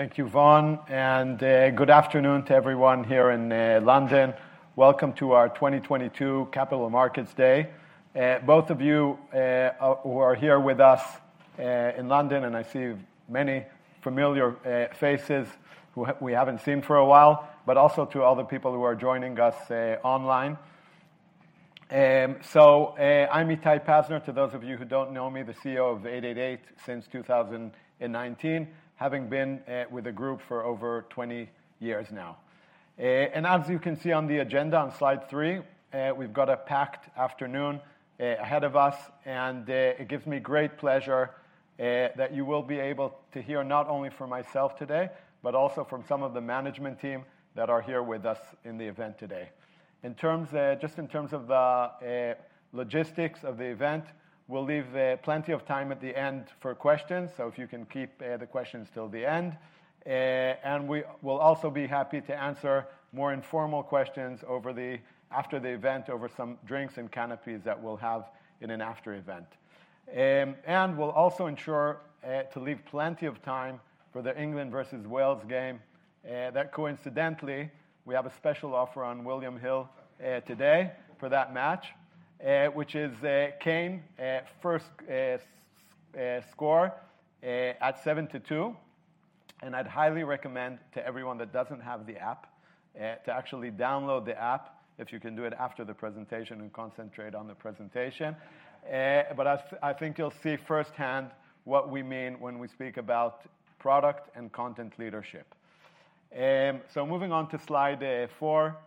Thank you, Vaughan, and good afternoon to everyone here in London. Welcome to our 2022 Capital Markets Day. Both of you who are here with us in London, and I see many familiar faces we haven't seen for a while, but also to all the people who are joining us online. I'm Itai Pazner, to those of you who don't know me, the CEO of 888 since 2019, having been with the group for over 20 years now. As you can see on the agenda on slide three, we've got a packed afternoon ahead of us, and it gives me great pleasure that you will be able to hear not only from myself today, but also from some of the management team that are here with us in the event today. In terms, just in terms of the logistics of the event, we'll leave plenty of time at the end for questions, so if you can keep the questions till the end. We will also be happy to answer more informal questions after the event over some drinks and canapés that we'll have in an after event. We'll also ensure to leave plenty of time for the England versus Wales game that coincidentally, we have a special offer on William Hill today for that match, which is Kane first score at seven to two. I'd highly recommend to everyone that doesn't have the app to actually download the app, if you can do it after the presentation and concentrate on the presentation. As I think you'll see firsthand what we mean when we speak about product and content leadership. Moving on to slide four.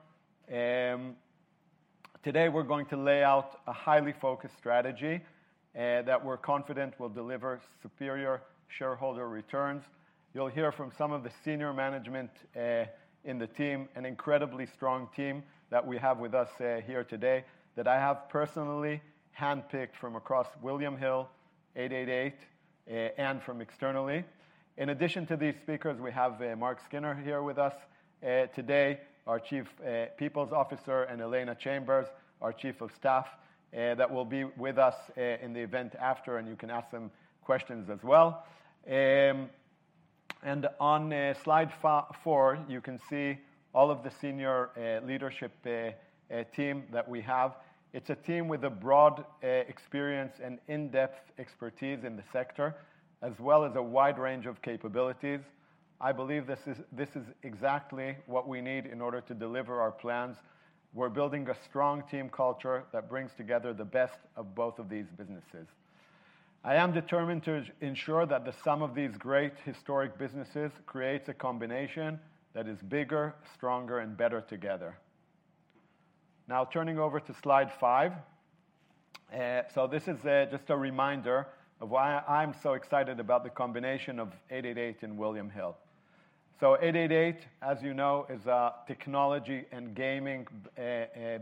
Today we're going to lay out a highly focused strategy that we're confident will deliver superior shareholder returns. You'll hear from some of the senior management in the team, an incredibly strong team that we have with us here today, that I have personally handpicked from across William Hill, 888, and from externally. In addition to these speakers, we have Mark Skinner here with us today, our Chief People Officer, and Elena Chambers, our Chief of Staff, that will be with us in the event after, and you can ask them questions as well. On slide four, you can see all of the senior leadership team that we have. It's a team with a broad experience and in-depth expertise in the sector, as well as a wide range of capabilities. I believe this is exactly what we need in order to deliver our plans. We're building a strong team culture that brings together the best of both of these businesses. I am determined to ensure that the sum of these great historic businesses creates a combination that is bigger, stronger, and better together. Turning over to slide five. This is just a reminder of why I'm so excited about the combination of 888 and William Hill. 888, as you know, is a technology and gaming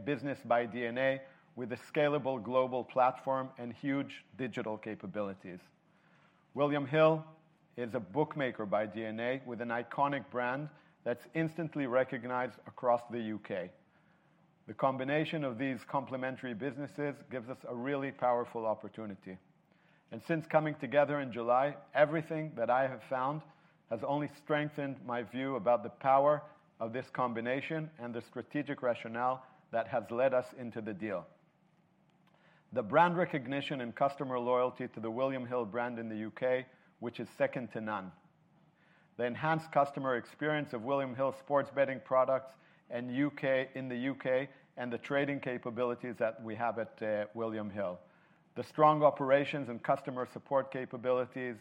business by DNA, with a scalable global platform and huge digital capabilities. William Hill is a bookmaker by DNA with an iconic brand that's instantly recognized across the U.K. The combination of these complementary businesses gives us a really powerful opportunity. Since coming together in July, everything that I have found has only strengthened my view about the power of this combination and the strategic rationale that has led us into the deal. The brand recognition and customer loyalty to the William Hill brand in the U.K., which is second to none. The enhanced customer experience of William Hill sports betting products in the U.K., and the trading capabilities that we have at William Hill. The strong operations and customer support capabilities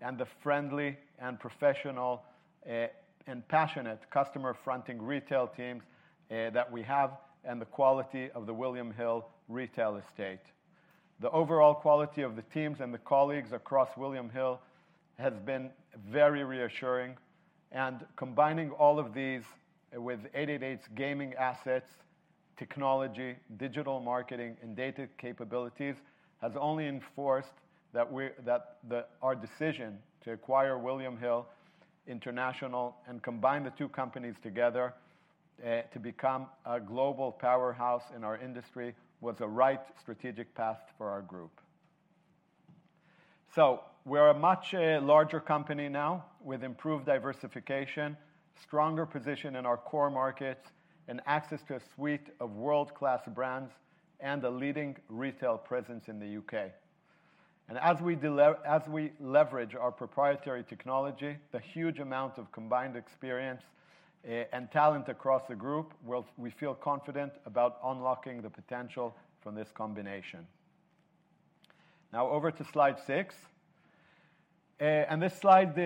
and the friendly and professional and passionate customer-fronting retail teams that we have and the quality of the William Hill retail estate. The overall quality of the teams and the colleagues across William Hill has been very reassuring and combining all of these with 888's gaming assets, technology, digital marketing and data capabilities has only enforced that our decision to acquire William Hill International and combine the two companies together to become a global powerhouse in our industry was the right strategic path for our group. We're a much larger company now with improved diversification, stronger position in our core markets and access to a suite of world-class brands and a leading retail presence in the U.K. As we leverage our proprietary technology, the huge amount of combined experience and talent across the group, we feel confident about unlocking the potential from this combination. Over to slide six. This slide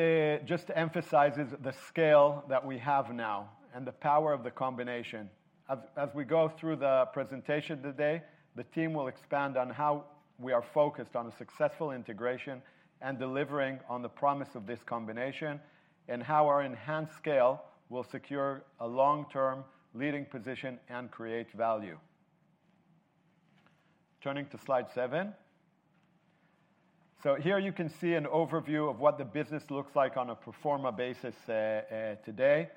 emphasizes the scale that we have now and the power of the combination. As we go through the presentation today, the team will expand on how we are focused on a successful integration and delivering on the promise of this combination and how our enhanced scale will secure a long-term leading position and create value. Turning to slide seven. Here you can see an overview of what the business looks like on a pro forma basis today.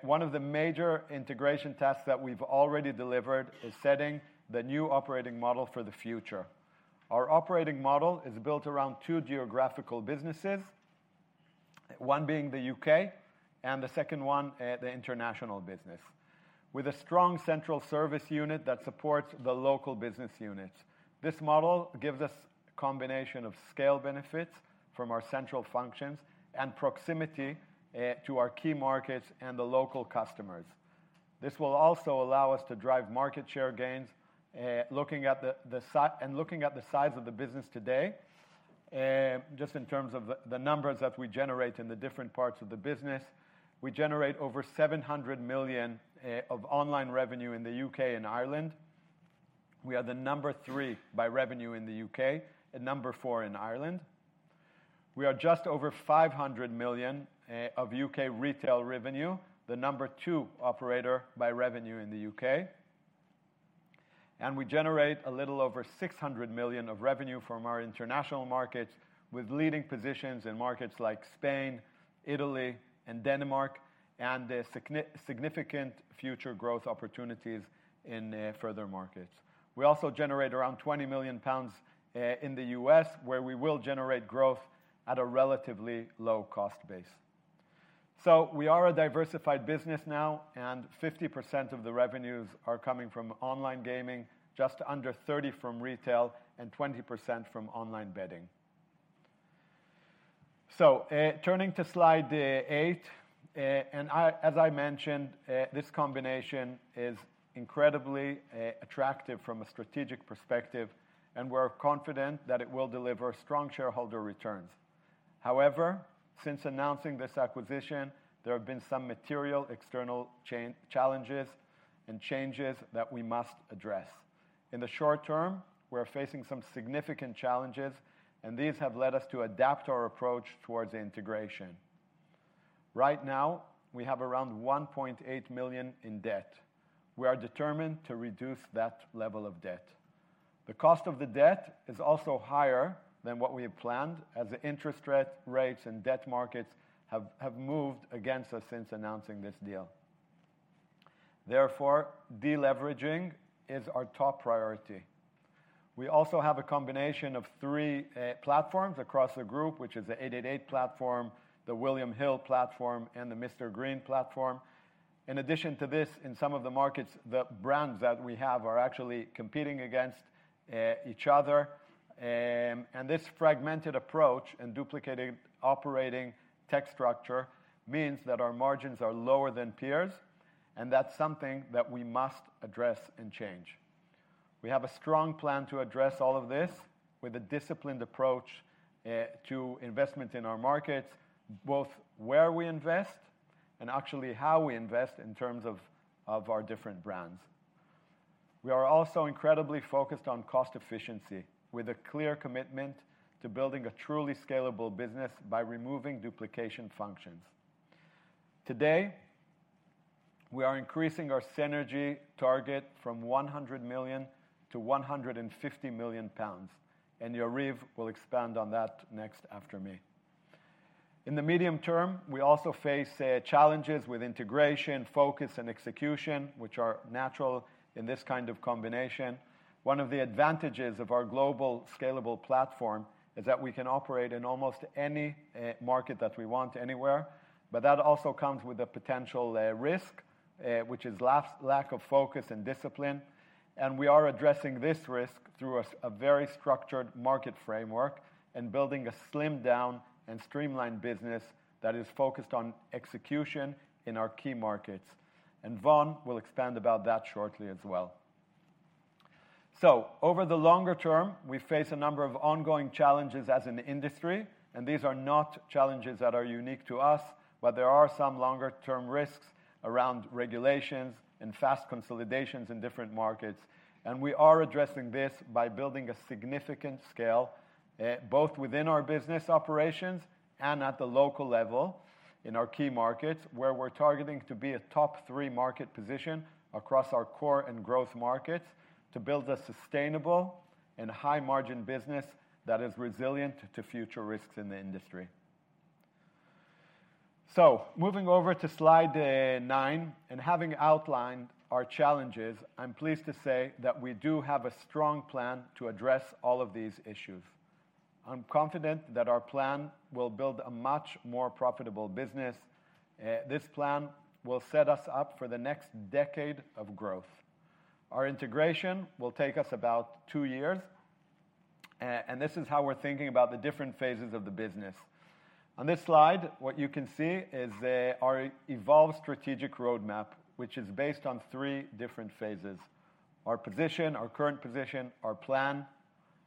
One of the major integration tasks that we've already delivered is setting the new operating model for the future. Our operating model is built around two geographical businesses, one being the U.K. and the second one, the international business, with a strong central service unit that supports the local business units This model gives us a combination of scale benefits from our central functions and proximity to our key markets and the local customers. This will also allow us to drive market share gains. Looking at the size of the business today, just in terms of the numbers that we generate in the different parts of the business, we generate over 700 million of online revenue in the U.K. and Ireland. We are the number three by revenue in the U.K. and number four in Ireland. We are just over 500 million of U.K. retail revenue, the number two operator by revenue in the U.K. We generate a little over 600 million of revenue from our international markets, with leading positions in markets like Spain, Italy and Denmark, and significant future growth opportunities in further markets. We also generate around 20 million pounds in the U.S., where we will generate growth at a relatively low cost base. We are a diversified business now, and 50% of the revenues are coming from online gaming, just under 30% from retail and 20% from online betting. Turning to slide eight. As I mentioned, this combination is incredibly attractive from a strategic perspective, and we're confident that it will deliver strong shareholder returns. However, since announcing this acquisition, there have been some material external challenges and changes that we must address. In the short term, we're facing some significant challenges, and these have led us to adapt our approach towards integration. Right now, we have around 1.8 million in debt. We are determined to reduce that level of debt. The cost of the debt is also higher than what we had planned, as the interest rates and debt markets have moved against us since announcing this deal. Therefore, deleveraging is our top priority. We also have a combination of three platforms across the group, which is the 888 platform, the William Hill platform, and the Mr Green platform. In addition to this, in some of the markets, the brands that we have are actually competing against each other. This fragmented approach and duplicating operating tech structure means that our margins are lower than peers, and that's something that we must address and change. We have a strong plan to address all of this with a disciplined approach to investment in our markets, both where we invest and actually how we invest in terms of our different brands. We are also incredibly focused on cost efficiency, with a clear commitment to building a truly scalable business by removing duplication functions. Today, we are increasing our synergy target from 100 million to 150 million pounds, Yariv will expand on that next after me. In the medium term, we also face challenges with integration, focus and execution, which are natural in this kind of combination. One of the advantages of our global scalable platform is that we can operate in almost any market that we want anywhere. That also comes with a potential risk, which is lack of focus and discipline. We are addressing this risk through a very structured market framework and building a slimmed down and streamlined business that is focused on execution in our key markets. Vaughan will expand about that shortly as well. Over the longer term, we face a number of ongoing challenges as an industry, and these are not challenges that are unique to us, but there are some longer term risks around regulations and fast consolidations in different markets. We are addressing this by building a significant scale, both within our business operations and at the local level in our key markets, where we're targeting to be a top three market position across our core and growth markets to build a sustainable and high margin business that is resilient to future risks in the industry. Moving over to slide nine and having outlined our challenges, I'm pleased to say that we do have a strong plan to address all of these issues. I'm confident that our plan will build a much more profitable business. This plan will set us up for the next decade of growth. Our integration will take us about two years, and this is how we're thinking about the different phases of the business. On this slide, what you can see is our evolved strategic roadmap, which is based on three different phases: our position, our current position, our plan,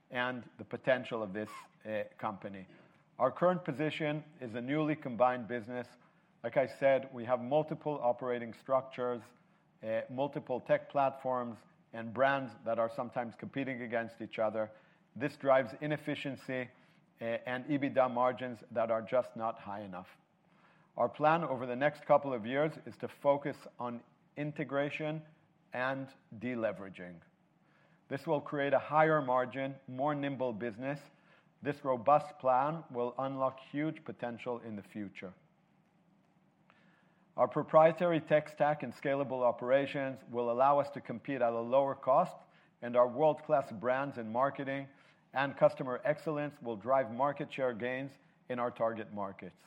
and the potential of this company. Our current position is a newly combined business. Like I said, we have multiple operating structures, multiple tech platforms and brands that are sometimes competing against each other. This drives inefficiency and EBITDA margins that are just not high enough. Our plan over the next couple of years is to focus on integration and deleveraging. This will create a higher margin, more nimble business. This robust plan will unlock huge potential in the future. Our proprietary tech stack and scalable operations will allow us to compete at a lower cost, and our world-class brands in marketing and customer excellence will drive market share gains in our target markets.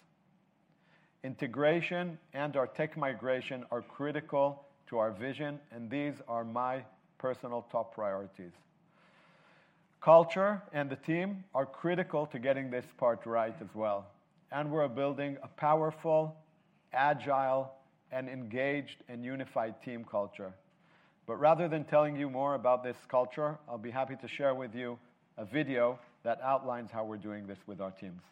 Integration and our tech migration are critical to our vision, and these are my personal top priorities. Culture and the team are critical to getting this part right as well, and we're building a powerful, agile, and engaged and unified team culture. Rather than telling you more about this culture, I'll be happy to share with you a video that outlines how we're doing this with our teams.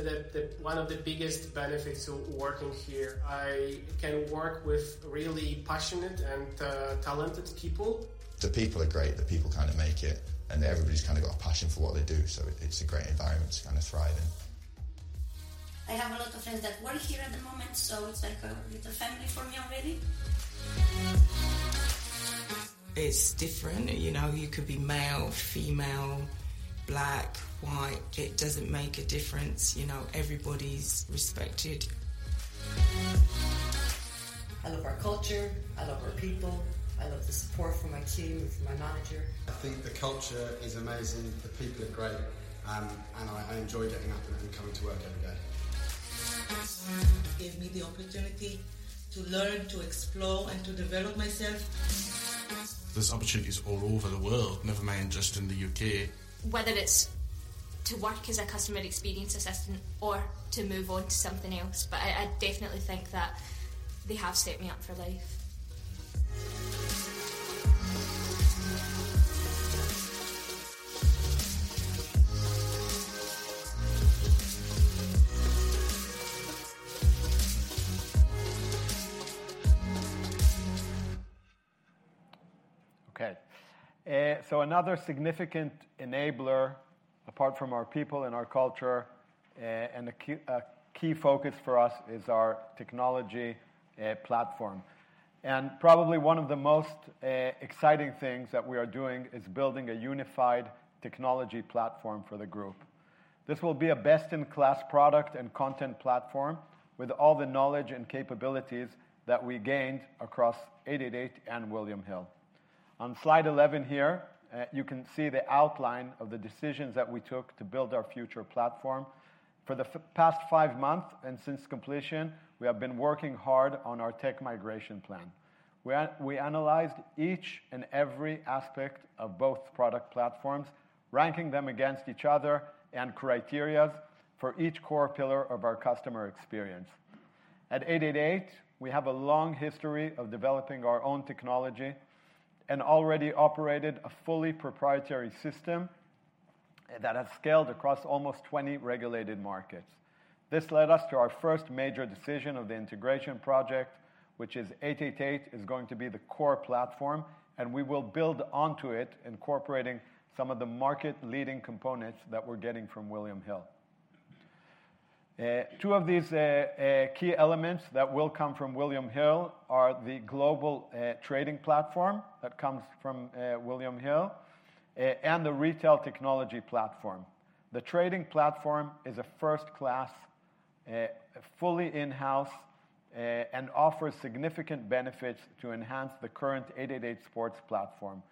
I think it's the one of the biggest benefits of working here. I can work with really passionate and talented people. The people are great. The people kinda make it, and everybody's kinda got a passion for what they do, so it's a great environment to kinda thrive in. I have a lot of friends that work here at the moment, so it's like a little family for me already. It's different. You know, you could be male, female, black, white. It doesn't make a difference. You know, everybody's respected. I love our culture. I love our people. I love the support from my team and from my manager. I think the culture is amazing. The people are great. I enjoy getting up and coming to work every day. It gave me the opportunity to learn, to explore, and to develop myself. There's opportunities all over the world, never mind just in the U.K. Whether it's to work as a customer experience assistant or to move on to something else, but I definitely think that they have set me up for life. Okay. another significant enabler, apart from our people and our culture, and a key focus for us is our technology platform. Probably one of the most exciting things that we are doing is building a unified technology platform for the group. This will be a best-in-class product and content platform with all the knowledge and capabilities that we gained across 888 and William Hill. On slide 11 here, you can see the outline of the decisions that we took to build our future platform. For the past five months and since completion, we have been working hard on our tech migration plan. We analyzed each and every aspect of both product platforms, ranking them against each other and criteria for each core pillar of our customer experience. At 888, we have a long history of developing our own technology and already operated a fully proprietary system that has scaled across almost 20 regulated markets. This led us to our first major decision of the integration project, which is 888 is going to be the core platform, and we will build onto it, incorporating some of the market-leading components that we're getting from William Hill. Two of these key elements that will come from William Hill are the global trading platform that comes from William Hill, and the retail technology platform. The trading platform is a first-class, fully in-house, and offers significant benefits to enhance the current 888sport platform.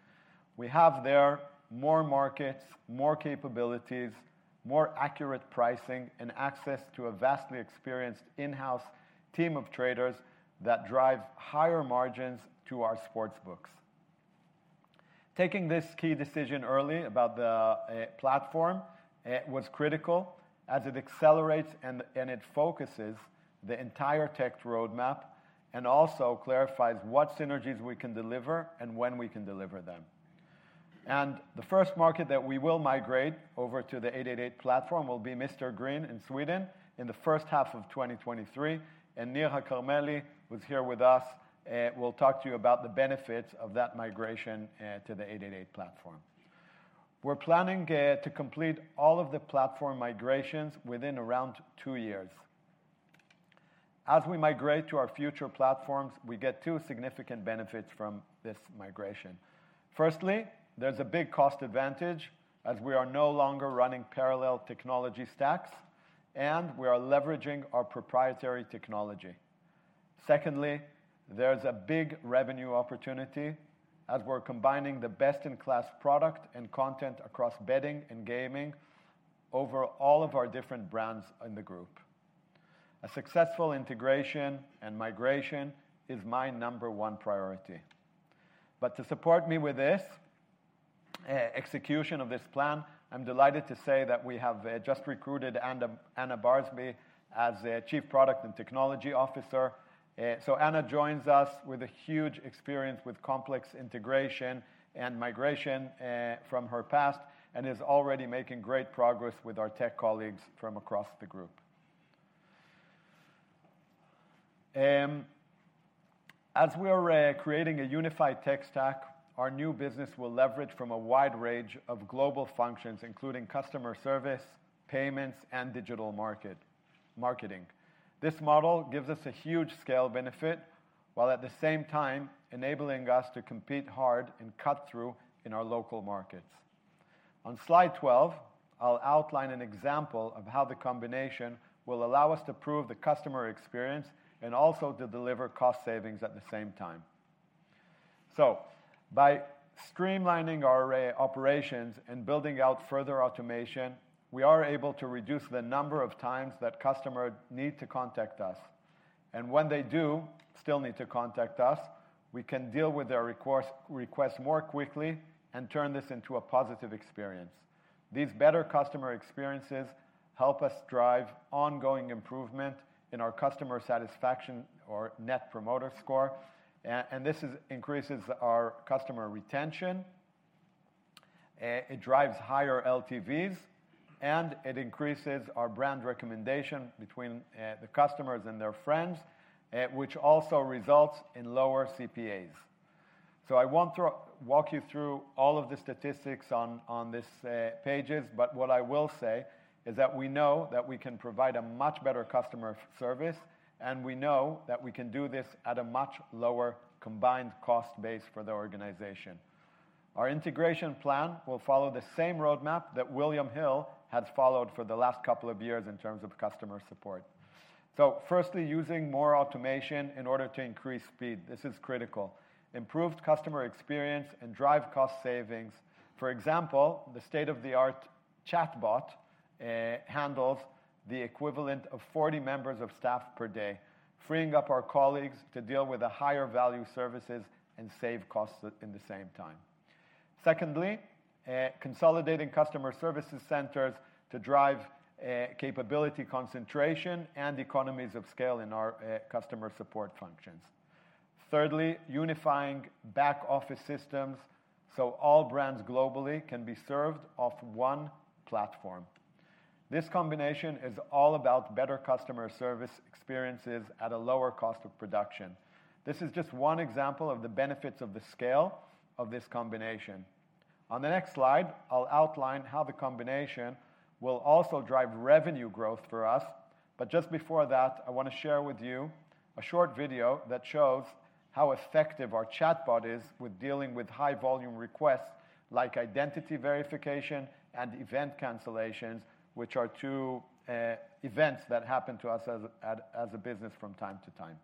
We have there more markets, more capabilities, more accurate pricing, and access to a vastly experienced in-house team of traders that drive higher margins to our sportsbooks. Taking this key decision early about the platform was critical as it accelerates and it focuses the entire tech roadmap and also clarifies what synergies we can deliver and when we can deliver them. The first market that we will migrate over to the 888 platform will be Mr Green in Sweden in the first half of 2023, and Nir Carmeli, who's here with us, will talk to you about the benefits of that migration to the 888 platform. We're planning to complete all of the platform migrations within around two years. As we migrate to our future platforms, we get twoa significant benefits from this migration. Firstly, there's a big cost advantage, as we are no longer running parallel technology stacks, and we are leveraging our proprietary technology. Secondly, there's a big revenue opportunity, as we're combining the best-in-class product and content across betting and gaming over all of our different brands in the group. A successful integration and migration is my number one priority. To support me with this execution of this plan, I'm delighted to say that we have just recruited Anna Barsby as the Chief Product and Technology Officer. Anna joins us with a huge experience with complex integration and migration from her past and is already making great progress with our tech colleagues from across the group. As we are creating a unified tech stack, our new business will leverage from a wide range of global functions, including customer service, payments, and digital marketing. This model gives us a huge scale benefit, while at the same time enabling us to compete hard and cut through in our local markets. On slide 12, I'll outline an example of how the combination will allow us to improve the customer experience and also to deliver cost savings at the same time. By streamlining our operations and building out further automation, we are able to reduce the number of times that customer need to contact us. When they do still need to contact us, we can deal with their request more quickly and turn this into a positive experience. These better customer experiences help us drive ongoing improvement in our customer satisfaction or net promoter score. This is increases our customer retention, it drives higher LTVs, and it increases our brand recommendation between the customers and their friends, which also results in lower CPAs. I won't walk you through all of the statistics on this pages. What I will say is that we know that we can provide a much better customer service, and we know that we can do this at a much lower combined cost base for the organization. Our integration plan will follow the same roadmap that William Hill has followed for the last couple of years in terms of customer support. Firstly, using more automation in order to increase speed, this is critical. Improved customer experience and drive cost savings. For example, the state-of-the-art chatbot handles the equivalent of 40 members of staff per day, freeing up our colleagues to deal with the higher value services and save costs in the same time. Secondly, consolidating customer services centers to drive capability concentration and economies of scale in our customer support functions. Thirdly, unifying back office systems so all brands globally can be served off one platform. This combination is all about better customer service experiences at a lower cost of production. This is just one example of the benefits of the scale of this combination. On the next slide, I'll outline how the combination will also drive revenue growth for us. Just before that, I wanna share with you a short video that shows how effective our chatbot is with dealing with high volume requests like identity verification and event cancellations, which are two events that happen to us as a business from time to time.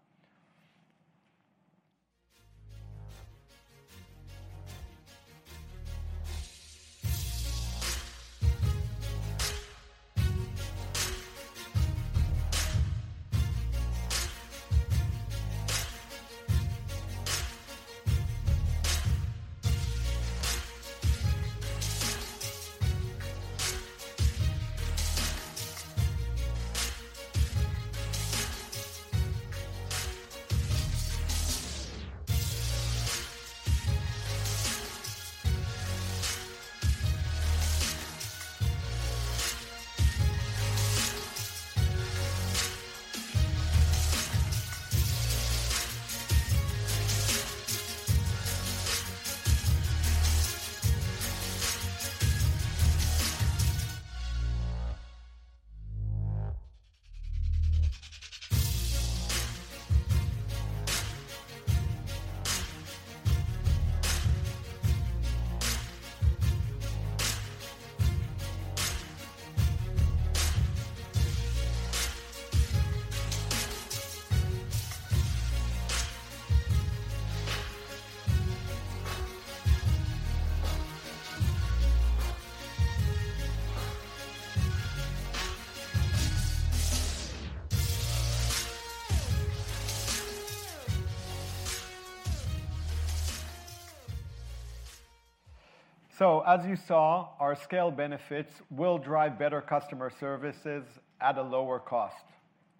As you saw, our scale benefits will drive better customer services at a lower cost.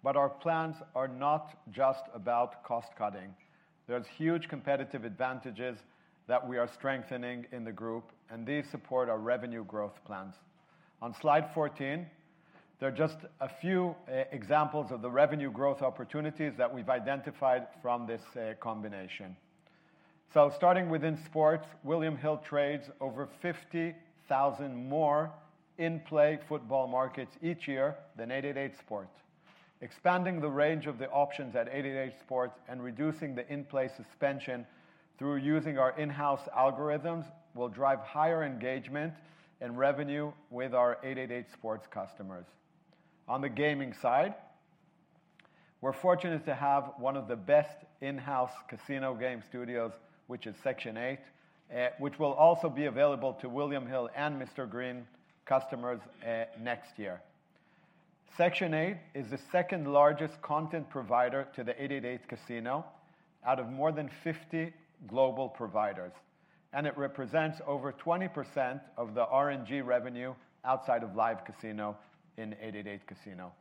Our plans are not just about cost cutting. There's huge competitive advantages that we are strengthening in the group, and these support our revenue growth plans. On slide 14, there are just a few examples of the revenue growth opportunities that we've identified from this combination. Starting within sports, William Hill trades over 50,000 more in-play football markets each year than 888sport. Expanding the range of the options at 888sport and reducing the in-play suspension through using our in-house algorithms will drive higher engagement and revenue with our 888sport customers. On the gaming side, we're fortunate to have one of the best in-house casino game studios, which is Section 8, which will also be available to William Hill and Mr Green customers next year. Section 8 is the second-largest content provider to the 888casino out of more than 50 global providers, and it represents over 20% of the RNG revenue outside of live casino in 888casino.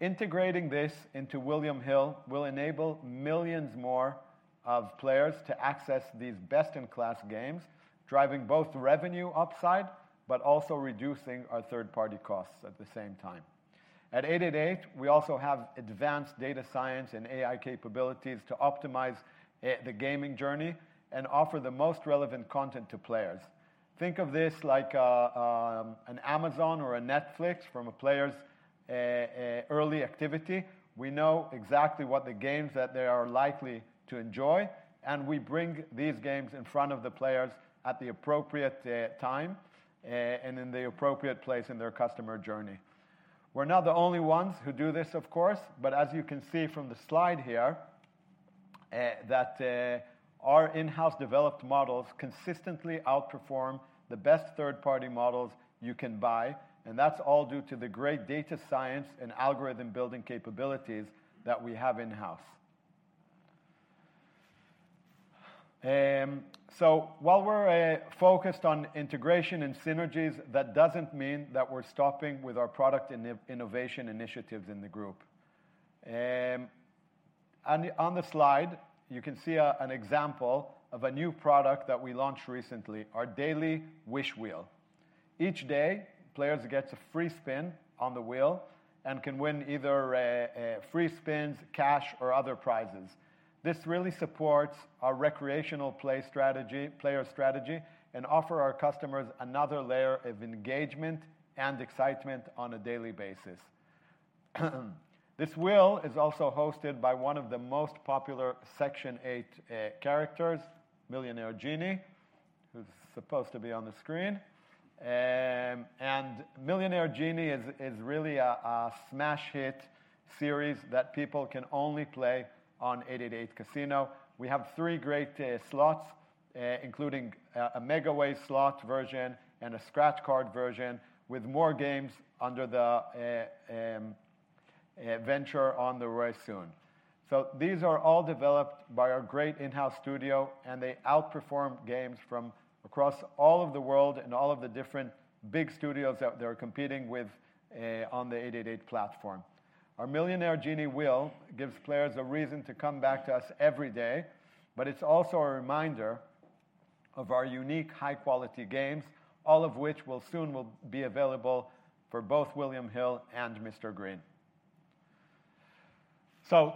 Integrating this into William Hill will enable millions more of players to access these best-in-class games, driving both revenue upside but also reducing our third-party costs at the same time. At 888, we also have advanced data science and AI capabilities to optimize the gaming journey and offer the most relevant content to players. Think of this like a an Amazon or a Netflix from a player's early activity. We know exactly what the games that they are likely to enjoy. We bring these games in front of the players at the appropriate time and in the appropriate place in their customer journey. We're not the only ones who do this, of course. As you can see from the slide here, that our in-house developed models consistently outperform the best third-party models you can buy. That's all due to the great data science and algorithm building capabilities that we have in-house. While we're focused on integration and synergies, that doesn't mean that we're stopping with our product innovation initiatives in the group. On the slide, you can see an example of a new product that we launched recently, our Daily Wish Wheel. Each day, players gets a free spin on the wheel and can win either free spins, cash, or other prizes. This really supports our recreational play strategy, player strategy and offer our customers another layer of engagement and excitement on a daily basis. This wheel is also hosted by one of the most popular Section 8 characters, Millionaire Genie, who's supposed to be on the screen. Millionaire Genie is really a smash hit series that people can only play on 888casino. We have three great slots, including a megaways slot version and a scratch card version with more games under the venture on the way soon. These are all developed by our great Inhouse Studio, and they outperform games from across all of the world and all of the different big studios that they're competing with on the 888 platform. Our Millionaire Genie wheel gives players a reason to come back to us every day, but it's also a reminder of our unique high-quality games, all of which will soon be available for both William Hill and Mr Green.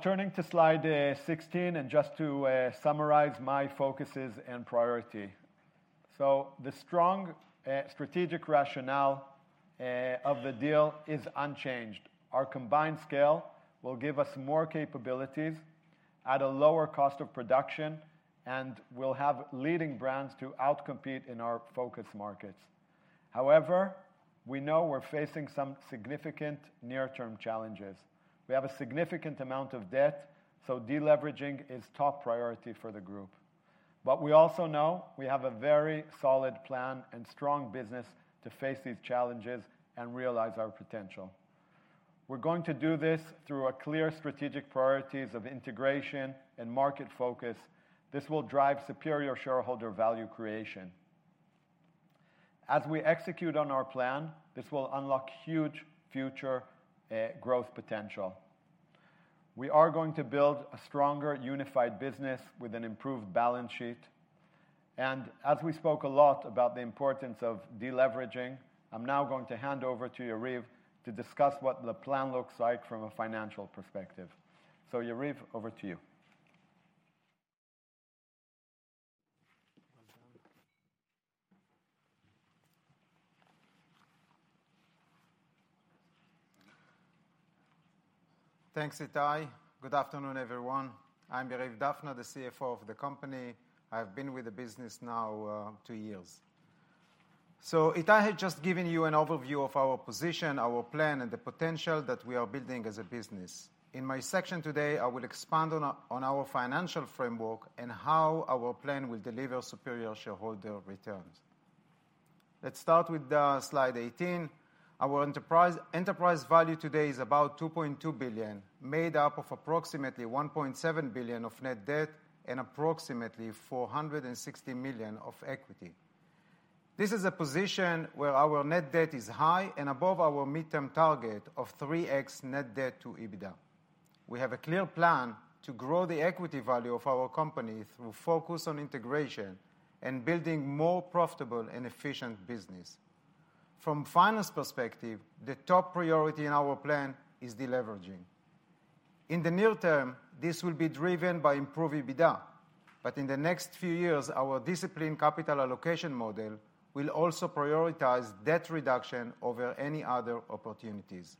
Turning to slide 16 and just to summarize my focuses and priority. The strong strategic rationale of the deal is unchanged. Our combined scale will give us more capabilities at a lower cost of production, and we'll have leading brands to outcompete in our focus markets. However, we know we're facing some significant near-term challenges. We have a significant amount of debt, deleveraging is top priority for the group. We also know we have a very solid plan and strong business to face these challenges and realize our potential. We're going to do this through a clear strategic priorities of integration and market focus. This will drive superior shareholder value creation. As we execute on our plan, this will unlock huge future growth potential. We are going to build a stronger, unified business with an improved balance sheet. As we spoke a lot about the importance of deleveraging, I'm now going to hand over to Yariv to discuss what the plan looks like from a financial perspective. Yariv, over to you. Thanks, Itai. Good afternoon, everyone. I'm Yariv Dafna, the CFO of the company. I've been with the business now, two years. Itai had just given you an overview of our position, our plan, and the potential that we are building as a business. In my section today, I will expand on our financial framework and how our plan will deliver superior shareholder returns. Let's start with slide 18. Our enterprise value today is about 2.2 billion, made up of approximately 1.7 billion of net debt and approximately 460 million of equity. This is a position where our net debt is high and above our midterm target of 3x net debt to EBITDA. We have a clear plan to grow the equity value of our company through focus on integration and building more profitable and efficient business. From finance perspective, the top priority in our plan is deleveraging. In the near term, this will be driven by improved EBITDA, but in the next few years, our disciplined capital allocation model will also prioritize debt reduction over any other opportunities.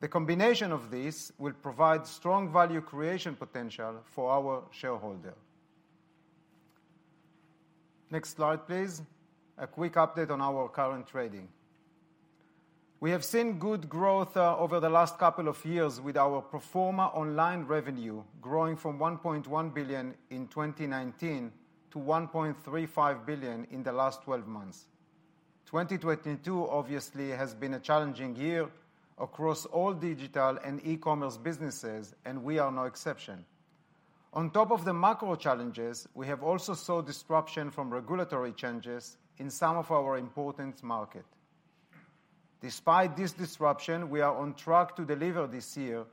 The combination of these will provide strong value creation potential for our shareholder. Next slide, please. A quick update on our current trading. We have seen good growth over the last couple of years with our proforma online revenue growing from 1.1 billion in 2019 to 1.35 billion in the last 12 months. 2022 obviously has been a challenging year across all digital and e-commerce businesses, and we are no exception. On top of the macro challenges, we have also saw disruption from regulatory changes in some of our important market. Despite this disruption, we are on track to deliver this year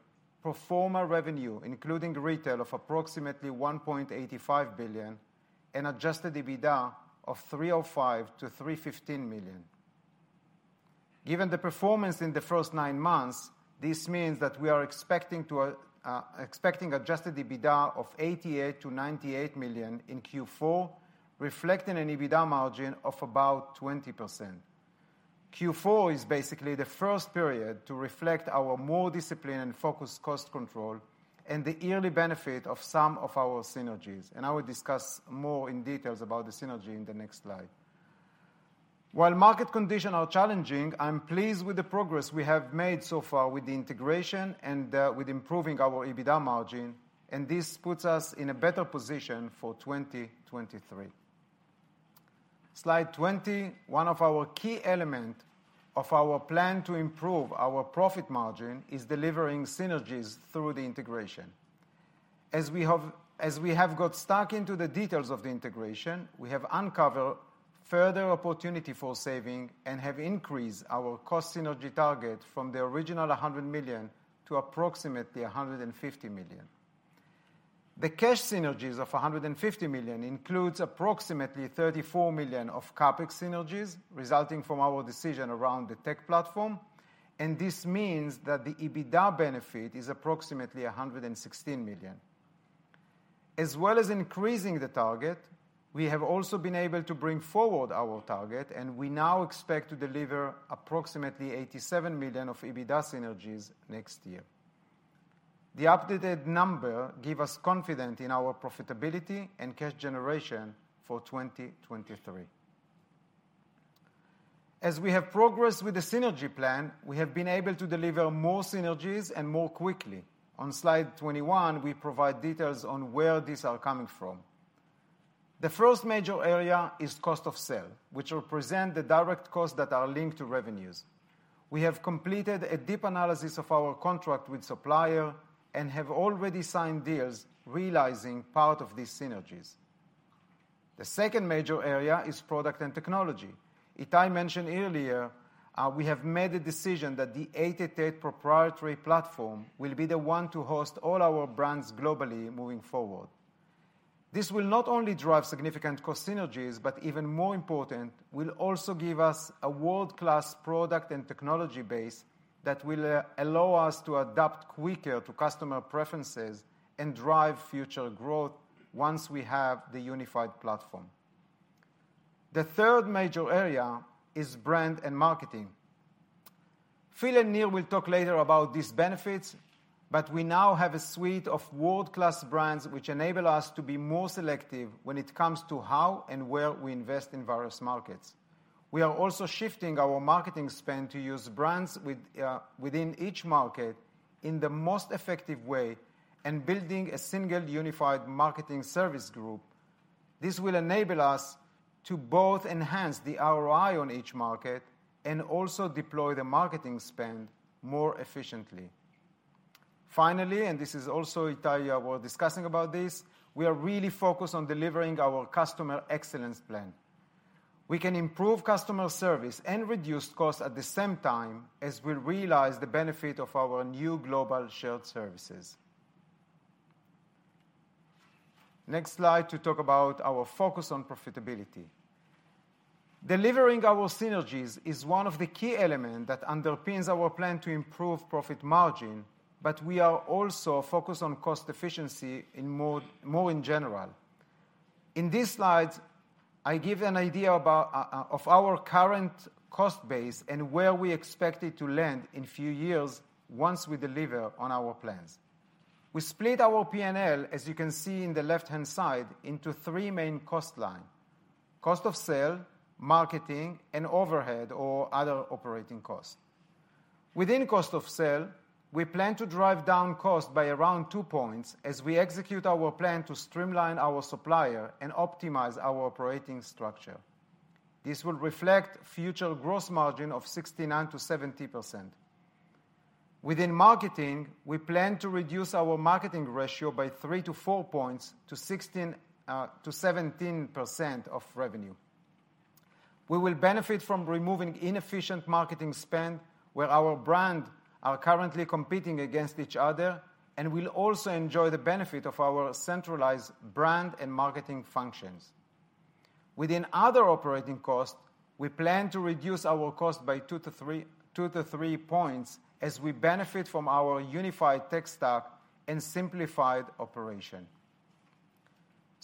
proforma revenue, including retail of approximately 1.85 billion and adjusted EBITDA of 305 million-315 million. Given the performance in the first nine months, this means that we are expecting adjusted EBITDA of 88 million-98 million in Q4, reflecting an EBITDA margin of about 20%. Q4 is basically the first period to reflect our more disciplined and focused cost control and the yearly benefit of some of our synergies. I will discuss more in details about the synergy in the next slide. While market conditions are challenging, I'm pleased with the progress we have made so far with the integration with improving our EBITDA margin, this puts us in a better position for 2023. Slide 20. One of our key element of our plan to improve our profit margin is delivering synergies through the integration. As we have got stuck into the details of the integration, we have uncovered further opportunity for saving and have increased our cost synergy target from the original 100 million to approximately 150 million. The cash synergies of 150 million includes approximately 34 million of CapEx synergies resulting from our decision around the tech platform, and this means that the EBITDA benefit is approximately 116 million. As well as increasing the target, we have also been able to bring forward our target, and we now expect to deliver approximately 87 million of EBITDA synergies next year. The updated number give us confident in our profitability and cash generation for 2023. As we have progressed with the synergy plan, we have been able to deliver more synergies and more quickly. On slide 21, we provide details on where these are coming from. The first major area is cost of sale, which represent the direct costs that are linked to revenues. We have completed a deep analysis of our contract with supplier and have already signed deals realizing part of these synergies. The second major area is product and technology. Itai mentioned earlier, we have made a decision that the 888 proprietary platform will be the one to host all our brands globally moving forward. This will not only drive significant cost synergies, but even more important, will also give us a world-class product and technology base that will allow us to adapt quicker to customer preferences and drive future growth once we have the unified platform. The third major area is brand and marketing. Phil and Nir will talk later about these benefits. We now have a suite of world-class brands which enable us to be more selective when it comes to how and where we invest in various markets. We are also shifting our marketing spend to use brands with, within each market in the most effective way and building a single unified marketing service group. This will enable us to both enhance the ROI on each market and also deploy the marketing spend more efficiently. Finally, this is also Itai were discussing about this, we are really focused on delivering our customer excellence plan. We can improve customer service and reduce costs at the same time as we realize the benefit of our new global shared services. Next slide to talk about our focus on profitability. Delivering our synergies is one of the key element that underpins our plan to improve profit margin. We are also focused on cost efficiency in more in general. In this slide, I give an idea about of our current cost base and where we expect it to land in few years once we deliver on our plans. We split our P&L, as you can see in the left-hand side, into three main cost line: cost of sale, marketing, and overhead or other operating costs. Within cost of sale, we plan to drive down cost by around two points as we execute our plan to streamline our supplier and optimize our operating structure. This will reflect future gross margin of 69%-70%. Within marketing, we plan to reduce our marketing ratio by 3 to 4 points to 16%-17% of revenue. We will benefit from removing inefficient marketing spend where our brand are currently competing against each other and will also enjoy the benefit of our centralized brand and marketing functions. Within other operating costs, we plan to reduce our cost by two to three points as we benefit from our unified tech stack and simplified operation.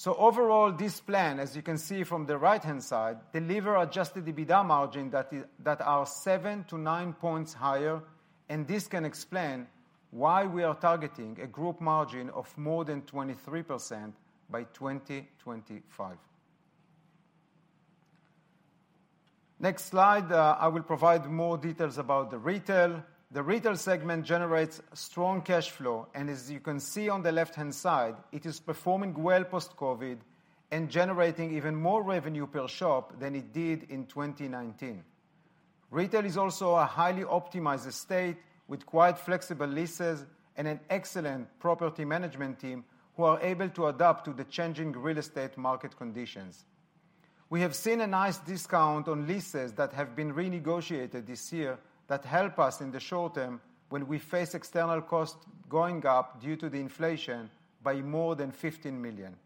Overall, this plan, as you can see from the right-hand side, deliver adjusted EBITDA margin that are seven to nine points higher, and this can explain why we are targeting a group margin of more than 23% by 2025. Next slide, I will provide more details about the retail. The retail segment generates strong cash flow, and as you can see on the left-hand side, it is performing well post-COVID and generating even more revenue per shop than it did in 2019. Retail is also a highly optimized estate with quite flexible leases and an excellent property management team who are able to adapt to the changing real estate market conditions. We have seen a nice discount on leases that have been renegotiated this year that help us in the short term when we face external costs going up due to the inflation by more than 15 million.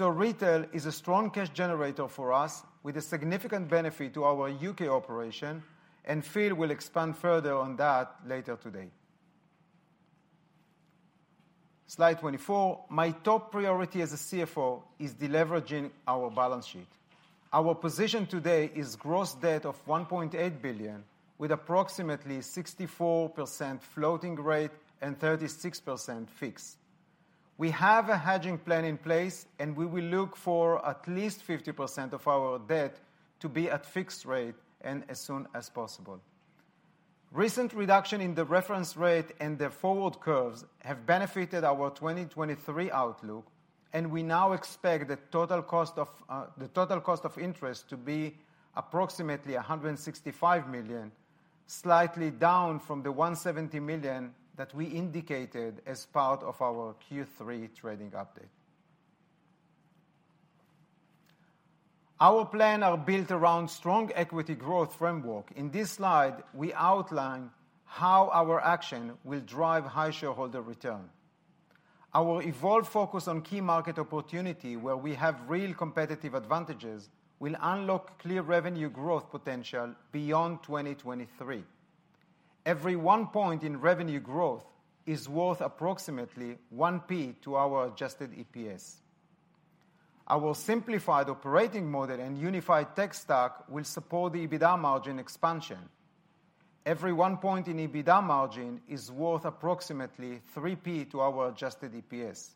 Retail is a strong cash generator for us with a significant benefit to our U.K. operation, and Phil will expand further on that later today. Slide 24. My top priority as a CFO is deleveraging our balance sheet. Our position today is gross debt of 1.8 billion, with approximately 64% floating rate and 36% fixed. We have a hedging plan in place. We will look for at least 50% of our debt to be at fixed rate as soon as possible. Recent reduction in the reference rate and the forward curves have benefited our 2023 outlook. We now expect the total cost of interest to be approximately 165 million, slightly down from the 170 million that we indicated as part of our Q3 trading update. Our plan are built around strong equity growth framework. In this slide, we outline how our action will drive high shareholder return. Our evolved focus on key market opportunity where we have real competitive advantages will unlock clear revenue growth potential beyond 2023. Every one point in revenue growth is worth approximately GBP one to our adjusted EPS. Our simplified operating model and unified tech stack will support the EBITDA margin expansion. Every one point in EBITDA margin is worth approximately GBP three to our adjusted EPS.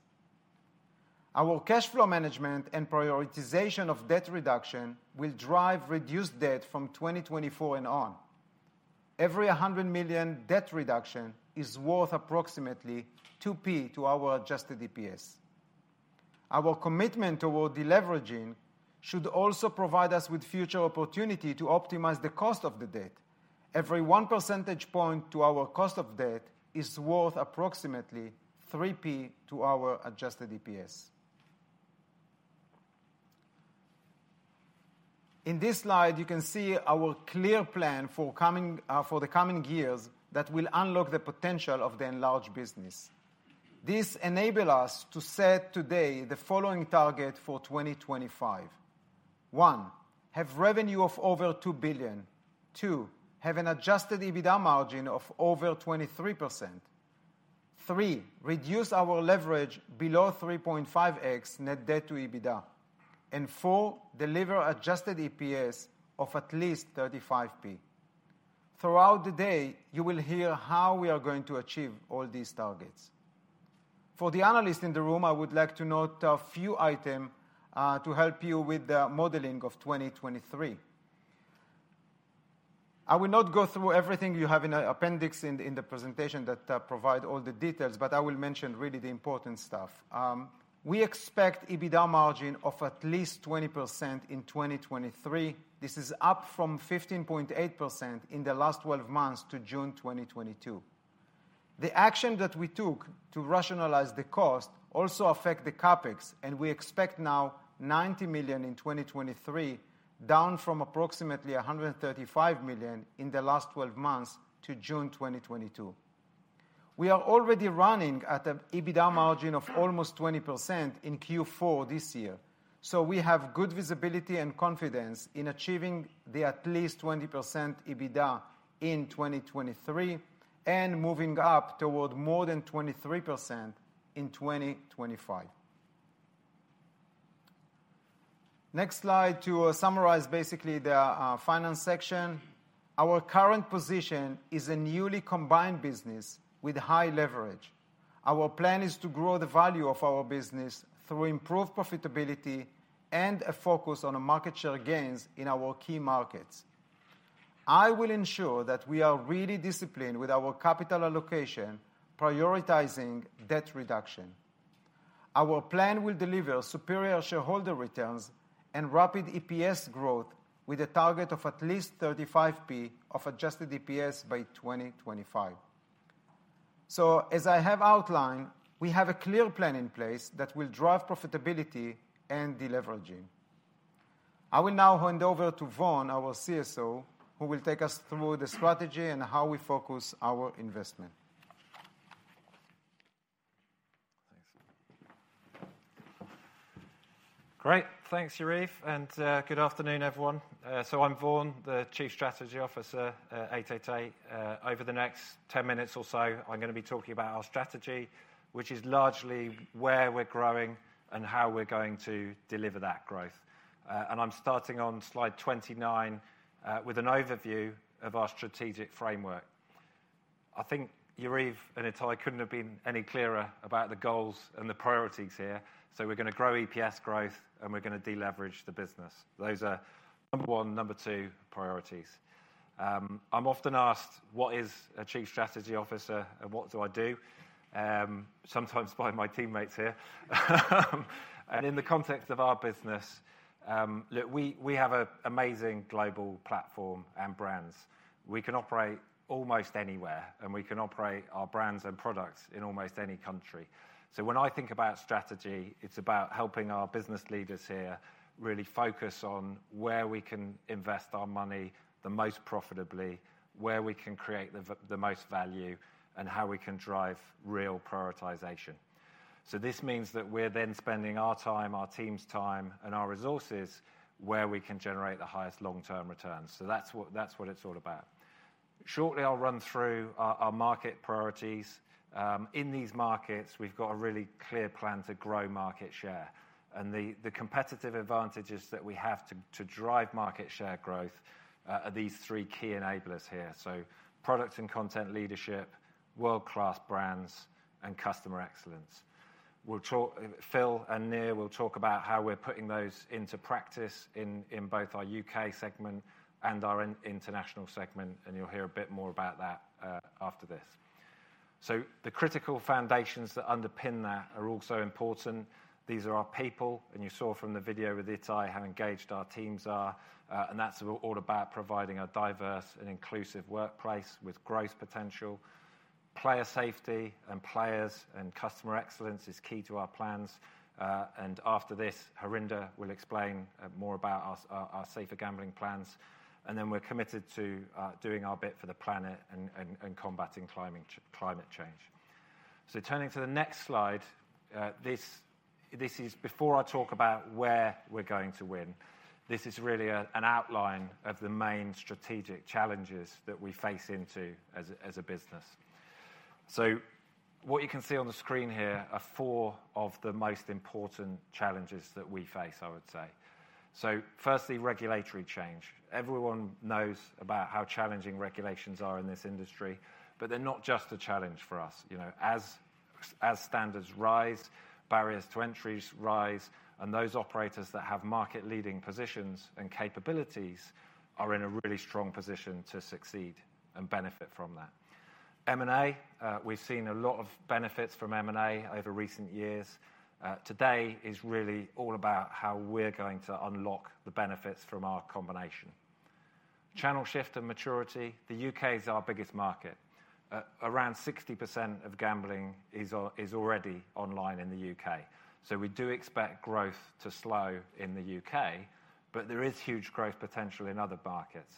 Our cash flow management and prioritization of debt reduction will drive reduced debt from 2024 and on. Every 100 million debt reduction is worth approximately GBP two to our adjusted EPS. Our commitment toward deleveraging should also provide us with future opportunity to optimize the cost of the debt. Every one percentage point to our cost of debt is worth approximately GBP three to our adjusted EPS. In this slide, you can see our clear plan for coming for the coming years that will unlock the potential of the enlarged business. This enable us to set today the following target for 2025. One, have revenue of over two billion. Two, have an adjusted EBITDA margin of over 23%. Three, reduce our leverage below 3.5x net debt to EBITDA. Four, deliver adjusted EPS of at least 35. Throughout the day, you will hear how we are going to achieve all these targets. For the analysts in the room, I would like to note a few item to help you with the modeling of 2023. I will not go through everything you have in the appendix in the presentation that provide all the details, but I will mention really the important stuff. We expect EBITDA margin of at least 20% in 2023. This is up from 15.8% in the last 12 months to June 2022. The action that we took to rationalize the cost also affect the CapEx, we expect now 90 million in 2023, down from approximately 135 million in the last 12 months to June 2022. We are already running at a EBITDA margin of almost 20% in Q4 this year, we have good visibility and confidence in achieving the at least 20% EBITDA in 2023 and moving up toward more than 23% in 2025. Next slide to summarize basically the finance section. Our current position is a newly combined business with high leverage. Our plan is to grow the value of our business through improved profitability and a focus on the market share gains in our key markets. I will ensure that we are really disciplined with our capital allocation, prioritizing debt reduction. Our plan will deliver superior shareholder returns and rapid EPS growth with a target of at least 35 of adjusted EPS by 2025. As I have outlined, we have a clear plan in place that will drive profitability and deleveraging. I will now hand over to Vaughan, our CSO, who will take us through the strategy and how we focus our investment. Thanks. Great. Thanks, Yariv. Good afternoon, everyone. I'm Vaughan, the Chief Strategy Officer at 888. Over the next 10 minutes or so, I'm going to be talking about our strategy, which is largely where we're growing and how we're going to deliver that growth. I'm starting on slide 29 with an overview of our strategic framework. I think Yariv and Itai couldn't have been any clearer about the goals and the priorities here. We're gonna grow EPS growth and we're gonna deleverage the business. Those are number one, number two priorities. I'm often asked what is a chief strategy officer and what do I do? Sometimes by my teammates here. In the context of our business, look, we have a amazing global platform and brands. We can operate almost anywhere and we can operate our brands and products in almost any country. When I think about strategy, it's about helping our business leaders here really focus on where we can invest our money the most profitably, where we can create the most value, and how we can drive real prioritization. This means that we're then spending our time, our team's time and our resources where we can generate the highest long-term returns. That's what, that's what it's all about. Shortly I'll run through our market priorities. In these markets, we've got a really clear plan to grow market share and the competitive advantages that we have to drive market share growth are these three key enablers here. Product and content leadership, world-class brands and customer excellence. Phil and Nir will talk about how we're putting those into practice in both our U.K. segment and our international segment and you'll hear a bit more about that after this. The critical foundations that underpin that are also important. These are our people. You saw from the video with Itai how engaged our teams are. That's all about providing a diverse and inclusive workplace with growth potential. Player safety and players and customer excellence is key to our plans. After this, Harinder will explain more about our safer gambling plans. We're committed to doing our bit for the planet and combating climate change. Turning to the next slide, this is before I talk about where we're going to win. This is really a, an outline of the main strategic challenges that we face into as a, as a business. What you can see on the screen here are four of the most important challenges that we face, I would say. Firstly, regulatory change. Everyone knows about how challenging regulations are in this industry, but they're not just a challenge for us. You know, as standards rise, barriers to entries rise and those operators that have market leading positions and capabilities are in a really strong position to succeed and benefit from that. M&A, we've seen a lot of benefits from M&A over recent years. Today is really all about how we're going to unlock the benefits from our combination. Channel shift and maturity. The U.K. is our biggest market. Around 60% of gambling is already online in the U.K.. We do expect growth to slow in the U.K., but there is huge growth potential in other markets.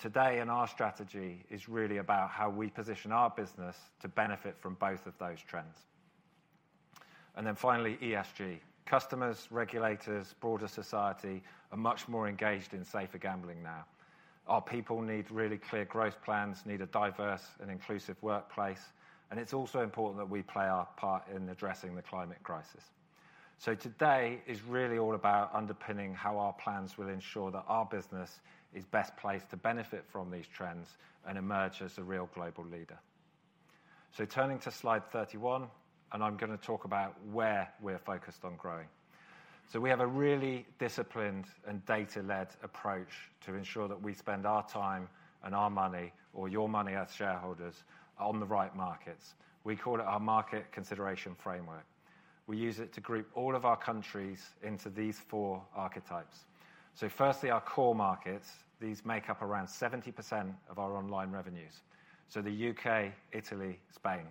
Today in our strategy is really about how we position our business to benefit from both of those trends. Finally, ESG. Customers, regulators, broader society are much more engaged in safer gambling now. Our people need really clear growth plans, need a diverse and inclusive workplace, and it's also important that we play our part in addressing the climate crisis. Today is really all about underpinning how our plans will ensure that our business is best placed to benefit from these trends and emerge as a real global leader. Turning to slide 31, and I'm gonna talk about where we're focused on growing. We have a really disciplined and data-led approach to ensure that we spend our time and our money or your money as shareholders on the right markets. We call it our market consideration framework. We use it to group all of our countries into these four archetypes. Firstly, our core markets. These make up around 70% of our online revenues, so the U.K., Italy, Spain.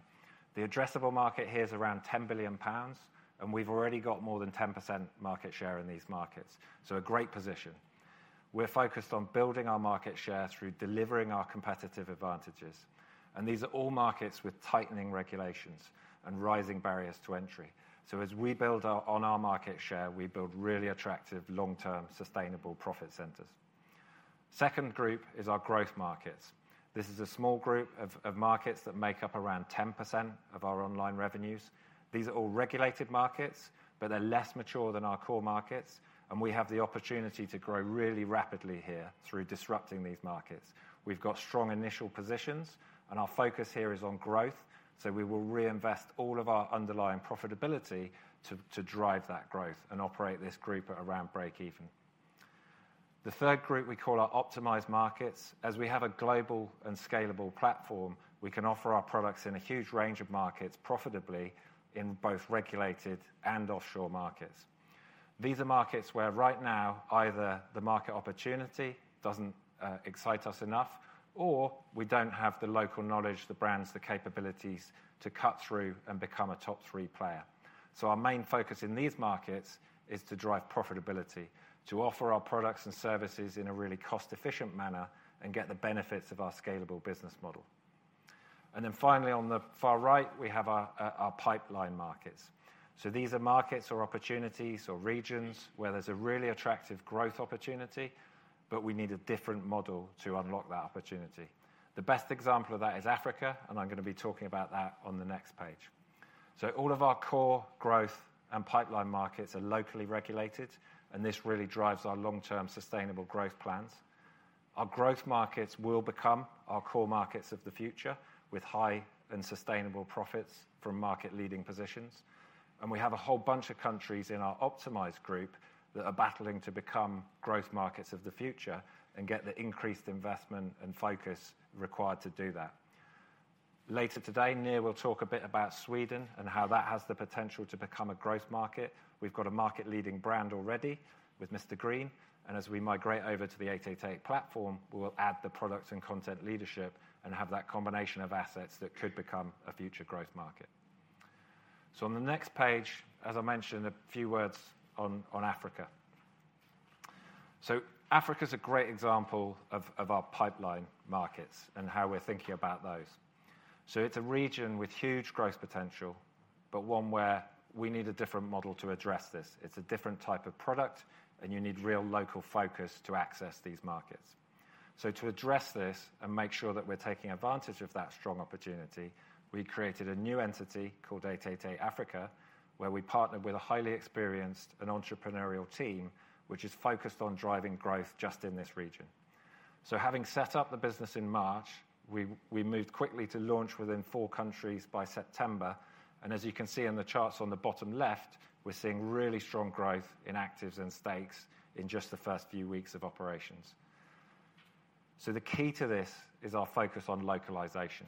The addressable market here is around 10 billion pounds and we've already got more than 10% market share in these markets. A great position. We're focused on building our market share through delivering our competitive advantages and these are all markets with tightening regulations and rising barriers to entry. As we build on our market share, we build really attractive long-term sustainable profit centers. Second group is our growth markets. This is a small group of markets that make up around 10% of our online revenues. These are all regulated markets but they're less mature than our core markets and we have the opportunity to grow really rapidly here through disrupting these markets. We've got strong initial positions and our focus here is on growth, so we will reinvest all of our underlying profitability to drive that growth and operate this group at around break-even. The third group we call our optimized markets. As we have a global and scalable platform, we can offer our products in a huge range of markets profitably in both regulated and offshore markets. These are markets where right now either the market opportunity doesn't excite us enough or we don't have the local knowledge, the brands, the capabilities to cut through and become a top-three player. Our main focus in these markets is to drive profitability, to offer our products and services in a really cost-efficient manner and get the benefits of our scalable business model. Finally on the far right we have our pipeline markets. These are markets or opportunities or regions where there's a really attractive growth opportunity but we need a different model to unlock that opportunity. The best example of that is Africa and I'm gonna be talking about that on the next page. All of our core growth and pipeline markets are locally regulated, and this really drives our long-term sustainable growth plans. Our growth markets will become our core markets of the future with high and sustainable profits from market-leading positions. We have a whole bunch of countries in our optimized group that are battling to become growth markets of the future and get the increased investment and focus required to do that. Later today, Nir will talk a bit about Sweden and how that has the potential to become a growth market. We've got a market-leading brand already with Mr Green, and as we migrate over to the 888 platform, we will add the product and content leadership and have that combination of assets that could become a future growth market. On the next page, as I mentioned, a few words on Africa. Africa is a great example of our pipeline markets and how we're thinking about those. It's a region with huge growth potential, but one where we need a different model to address this. It's a different type of product, and you need real local focus to access these markets. To address this and make sure that we're taking advantage of that strong opportunity, we created a new entity called 888 Africa, where we partnered with a highly experienced and entrepreneurial team which is focused on driving growth just in this region. Having set up the business in March, we moved quickly to launch within four countries by September. As you can see in the charts on the bottom left, we're seeing really strong growth in actives and stakes in just the first few weeks of operations. The key to this is our focus on localization.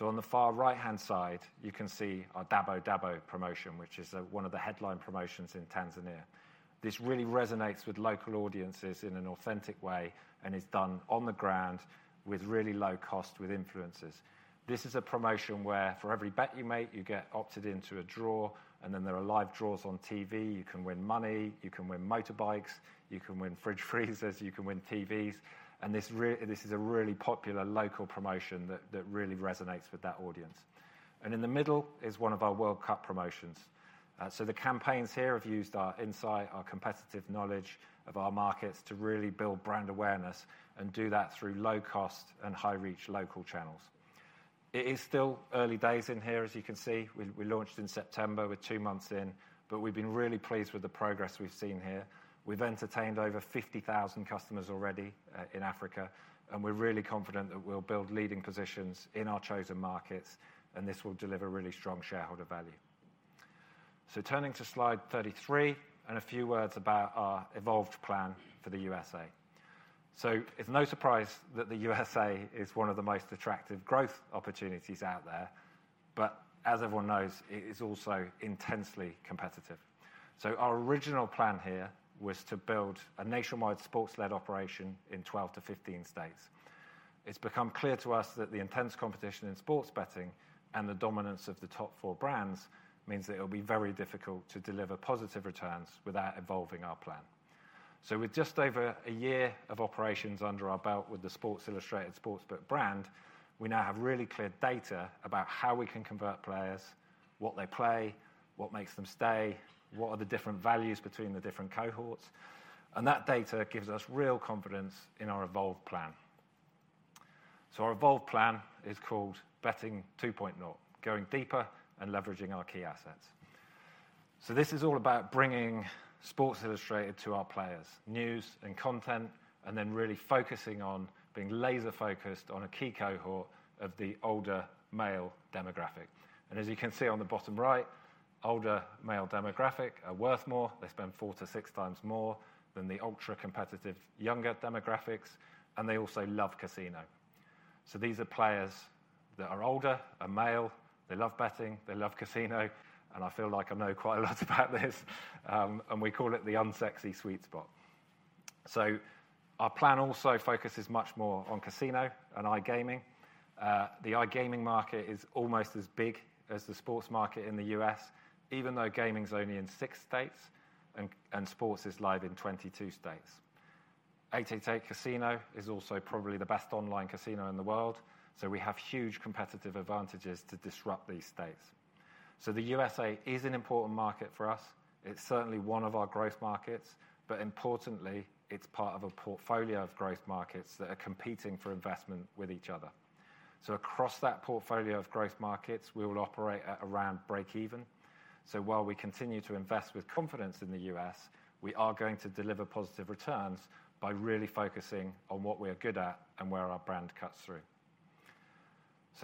On the far right-hand side, you can see our Dabo Dabo promotion, which is one of the headline promotions in Tanzania. This really resonates with local audiences in an authentic way and is done on the ground with really low cost with influencers. This is a promotion where for every bet you make, you get opted into a draw, and then there are live draws on TV. You can win money, you can win motorbikes, you can win fridge freezers, you can win TVs. This is a really popular local promotion that really resonates with that audience. In the middle is one of our World Cup promotions. The campaigns here have used our insight, our competitive knowledge of our markets to really build brand awareness and do that through low-cost and high-reach local channels. It is still early days in here, as you can see. We launched in September. We're two months in, but we've been really pleased with the progress we've seen here. We've entertained over 50,000 customers already in Africa, and we're really confident that we'll build leading positions in our chosen markets, and this will deliver really strong shareholder value. Turning to slide 33 and a few words about our evolved plan for the USA. It's no surprise that the USA is one of the most attractive growth opportunities out there. As everyone knows, it is also intensely competitive. Our original plan here was to build a nationwide sports-led operation in 12-15 states. It's become clear to us that the intense competition in sports betting and the dominance of the top four brands means that it'll be very difficult to deliver positive returns without evolving our plan. With just over a year of operations under our belt with the Sports Illustrated Sportsbook brand, we now have really clear data about how we can convert players, what they play, what makes them stay, what are the different values between the different cohorts, and that data gives us real confidence in our evolved plan. Our evolved plan is called Betting 2.0, going deeper and leveraging our key assets. This is all about bringing Sports Illustrated to our players, news and content, and then really focusing on being laser-focused on a key cohort of the older male demographic. As you can see on the bottom right, older male demographic are worth more. They spend four to six times more than the ultra-competitive younger demographics, and they also love casino. These are players that are older and male, they love betting, they love casino, and I feel like I know quite a lot about this, and we call it the unsexy sweet spot. Our plan also focuses much more on casino and iGaming. The iGaming market is almost as big as the sports market in the U.S., even though gaming's only in six states and sports is live in 22 states. 888casino is also probably the best online casino in the world, so we have huge competitive advantages to disrupt these states. The USA is an important market for us. It's certainly one of our growth markets, but importantly, it's part of a portfolio of growth markets that are competing for investment with each other. Across that portfolio of growth markets, we will operate at around break-even. While we continue to invest with confidence in the U.S., we are going to deliver positive returns by really focusing on what we are good at and where our brand cuts through.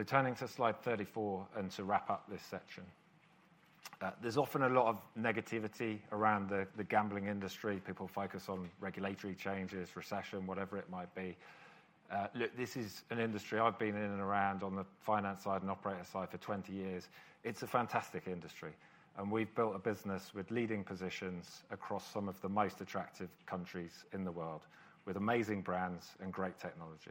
Turning to slide 34 and to wrap up this section. There's often a lot of negativity around the gambling industry. People focus on regulatory changes, recession, whatever it might be. Look, this is an industry I've been in and around on the finance side and operator side for 20 years. It's a fantastic industry, and we've built a business with leading positions across some of the most attractive countries in the world with amazing brands and great technology.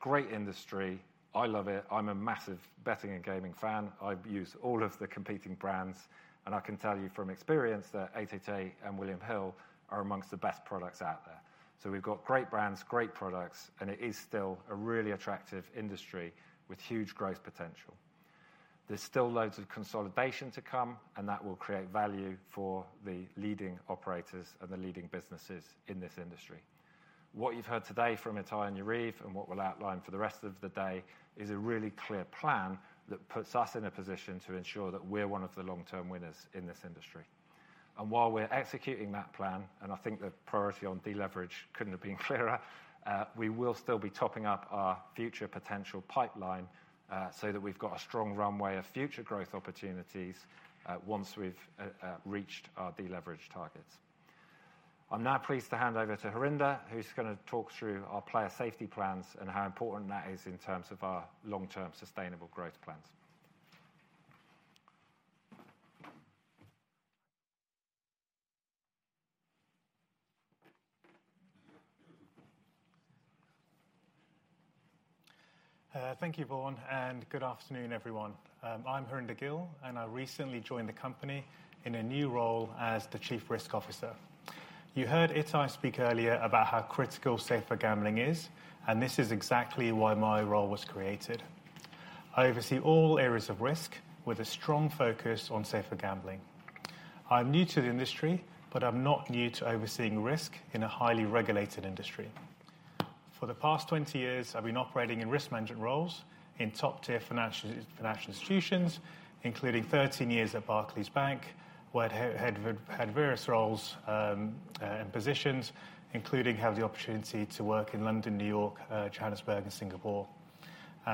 Great industry. I love it. I'm a massive betting and gaming fan. I've used all of the competing brands, and I can tell you from experience that 888 and William Hill are amongst the best products out there. We've got great brands, great products, and it is still a really attractive industry with huge growth potential. There's still loads of consolidation to come. That will create value for the leading operators and the leading businesses in this industry. What you've heard today from Itai and Yariv, what we'll outline for the rest of the day, is a really clear plan that puts us in a position to ensure that we're one of the long-term winners in this industry. While we're executing that plan, I think the priority on deleverage couldn't have been clearer, we will still be topping up our future potential pipeline, so that we've got a strong runway of future growth opportunities, once we've reached our deleverage targets. I'm now pleased to hand over to Harinder, who's gonna talk through our player safety plans and how important that is in terms of our long-term sustainable growth plans. Thank you, Vaughan, good afternoon, everyone. I'm Harinder Gill, I recently joined the company in a new role as the Chief Risk Officer. You heard Itai speak earlier about how critical safer gambling is, this is exactly why my role was created. I oversee all areas of risk with a strong focus on safer gambling. I'm new to the industry, I'm not new to overseeing risk in a highly regulated industry. For the past 20 years, I've been operating in risk management roles in top-tier financial institutions, including 13 years at Barclays Bank, where I had various roles and positions, including have the opportunity to work in London, New York, Johannesburg, and Singapore.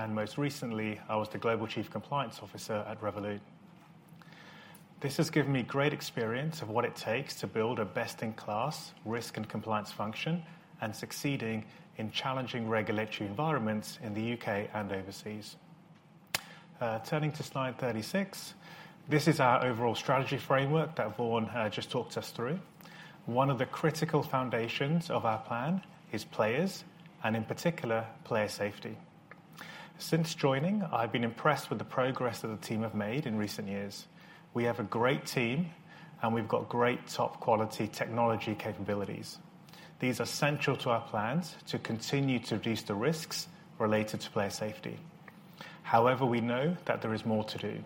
Most recently, I was the Global Chief Compliance Officer at Revolut. This has given me great experience of what it takes to build a best-in-class risk and compliance function and succeeding in challenging regulatory environments in the U.K. and overseas. Turning to slide 36, this is our overall strategy framework that Vaughan just talked us through. One of the critical foundations of our plan is players and, in particular, player safety. Since joining, I've been impressed with the progress that the team have made in recent years. We have a great team, and we've got great top-quality technology capabilities. These are central to our plans to continue to reduce the risks related to player safety. However, we know that there is more to do.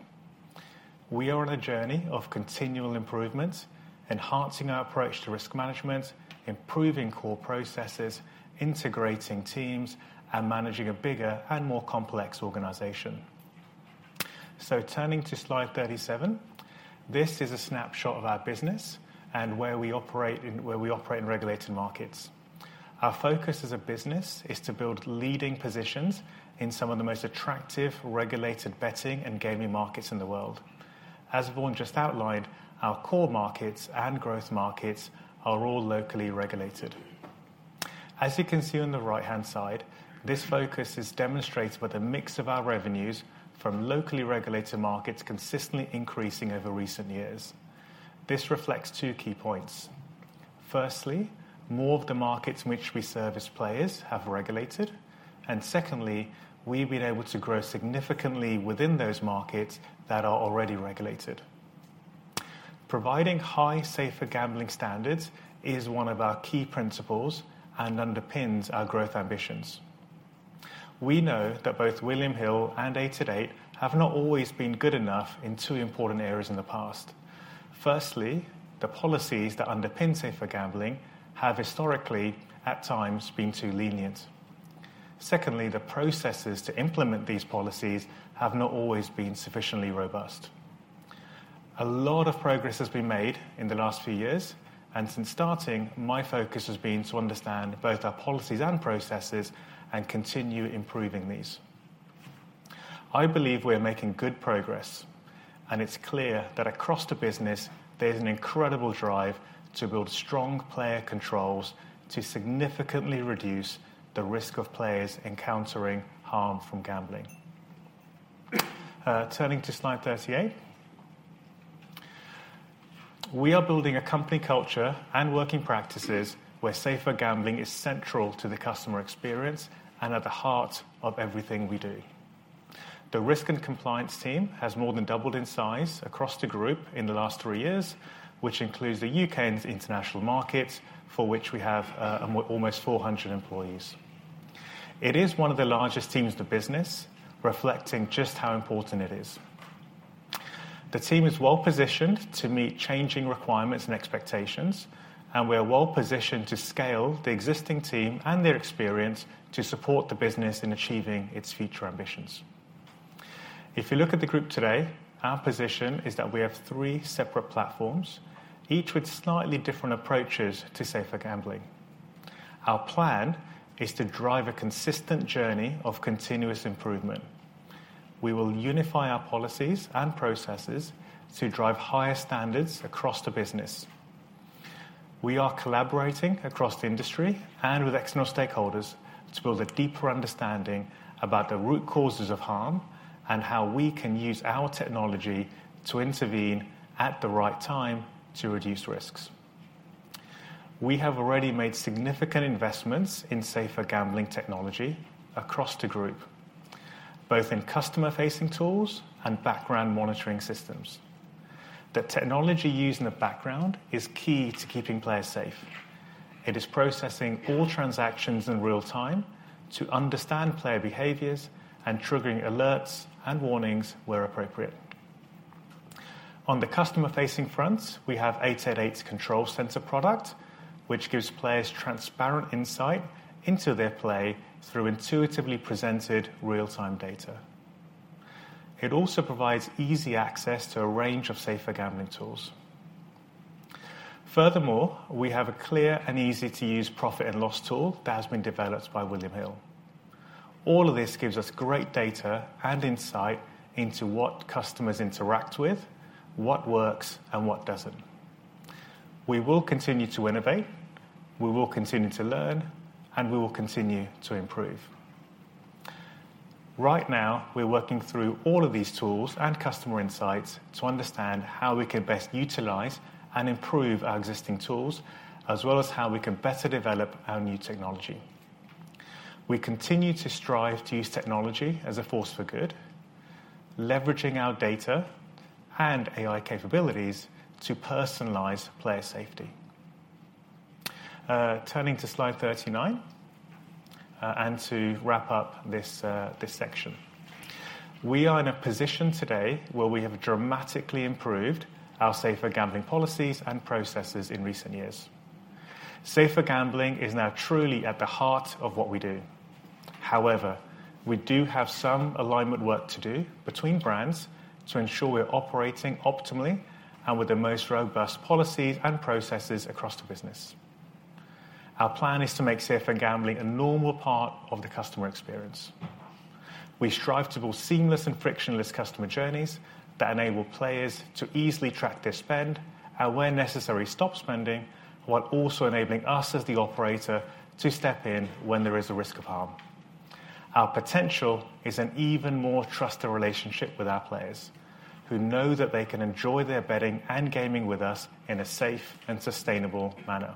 We are on a journey of continual improvement, enhancing our approach to risk management, improving core processes, integrating teams, and managing a bigger and more complex organization. Turning to slide 37, this is a snapshot of our business and where we operate and where we operate in regulated markets. Our focus as a business is to build leading positions in some of the most attractive regulated betting and gaming markets in the world. As Vaughan just outlined, our core markets and growth markets are all locally regulated. As you can see on the right-hand side, this focus is demonstrated with a mix of our revenues from locally regulated markets consistently increasing over recent years. This reflects two key points. Firstly, more of the markets in which we service players have regulated. Secondly, we've been able to grow significantly within those markets that are already regulated. Providing high safer gambling standards is one of our key principles and underpins our growth ambitions. We know that both William Hill and 888 have not always been good enough in two important areas in the past. Firstly, the policies that underpin safer gambling have historically, at times, been too lenient. Secondly, the processes to implement these policies have not always been sufficiently robust. A lot of progress has been made in the last few years. Since starting, my focus has been to understand both our policies and processes and continue improving these. I believe we're making good progress, and it's clear that across the business there's an incredible drive to build strong player controls to significantly reduce the risk of players encountering harm from gambling. Turning to slide 38. We are building a company culture and working practices where safer gambling is central to the customer experience and at the heart of everything we do. The risk and compliance team has more than doubled in size across the group in the last three years, which includes the U.K. and international markets, for which we have almost 400 employees. It is one of the largest teams in the business, reflecting just how important it is. The team is well-positioned to meet changing requirements and expectations, and we are well-positioned to scale the existing team and their experience to support the business in achieving its future ambitions. If you look at the group today, our position is that we have three separate platforms, each with slightly different approaches to safer gambling. Our plan is to drive a consistent journey of continuous improvement. We will unify our policies and processes to drive higher standards across the business. We are collaborating across the industry and with external stakeholders to build a deeper understanding about the root causes of harm and how we can use our technology to intervene at the right time to reduce risks. We have already made significant investments in safer gambling technology across the group, both in customer-facing tools and background monitoring systems. The technology used in the background is key to keeping players safe. It is processing all transactions in real time to understand player behaviors and triggering alerts and warnings where appropriate. On the customer-facing front, we have 888's Control Centre product, which gives players transparent insight into their play through intuitively presented real-time data. It also provides easy access to a range of safer gambling tools. Furthermore, we have a clear and easy-to-use profit and loss tool that has been developed by William Hill. All of this gives us great data and insight into what customers interact with, what works and what doesn't. We will continue to innovate, we will continue to learn, and we will continue to improve. Right now, we're working through all of these tools and customer insights to understand how we can best utilize and improve our existing tools, as well as how we can better develop our new technology. We continue to strive to use technology as a force for good, leveraging our data and AI capabilities to personalize player safety. Turning to slide 39, to wrap up this section. We are in a position today where we have dramatically improved our safer gambling policies and processes in recent years. Safer gambling is now truly at the heart of what we do. However, we do have some alignment work to do between brands to ensure we're operating optimally and with the most robust policies and processes across the business. Our plan is to make safer gambling a normal part of the customer experience. We strive to build seamless and frictionless customer journeys that enable players to easily track their spend and, where necessary, stop spending while also enabling us as the operator to step in when there is a risk of harm. Our potential is an even more trusted relationship with our players who know that they can enjoy their betting and gaming with us in a safe and sustainable manner.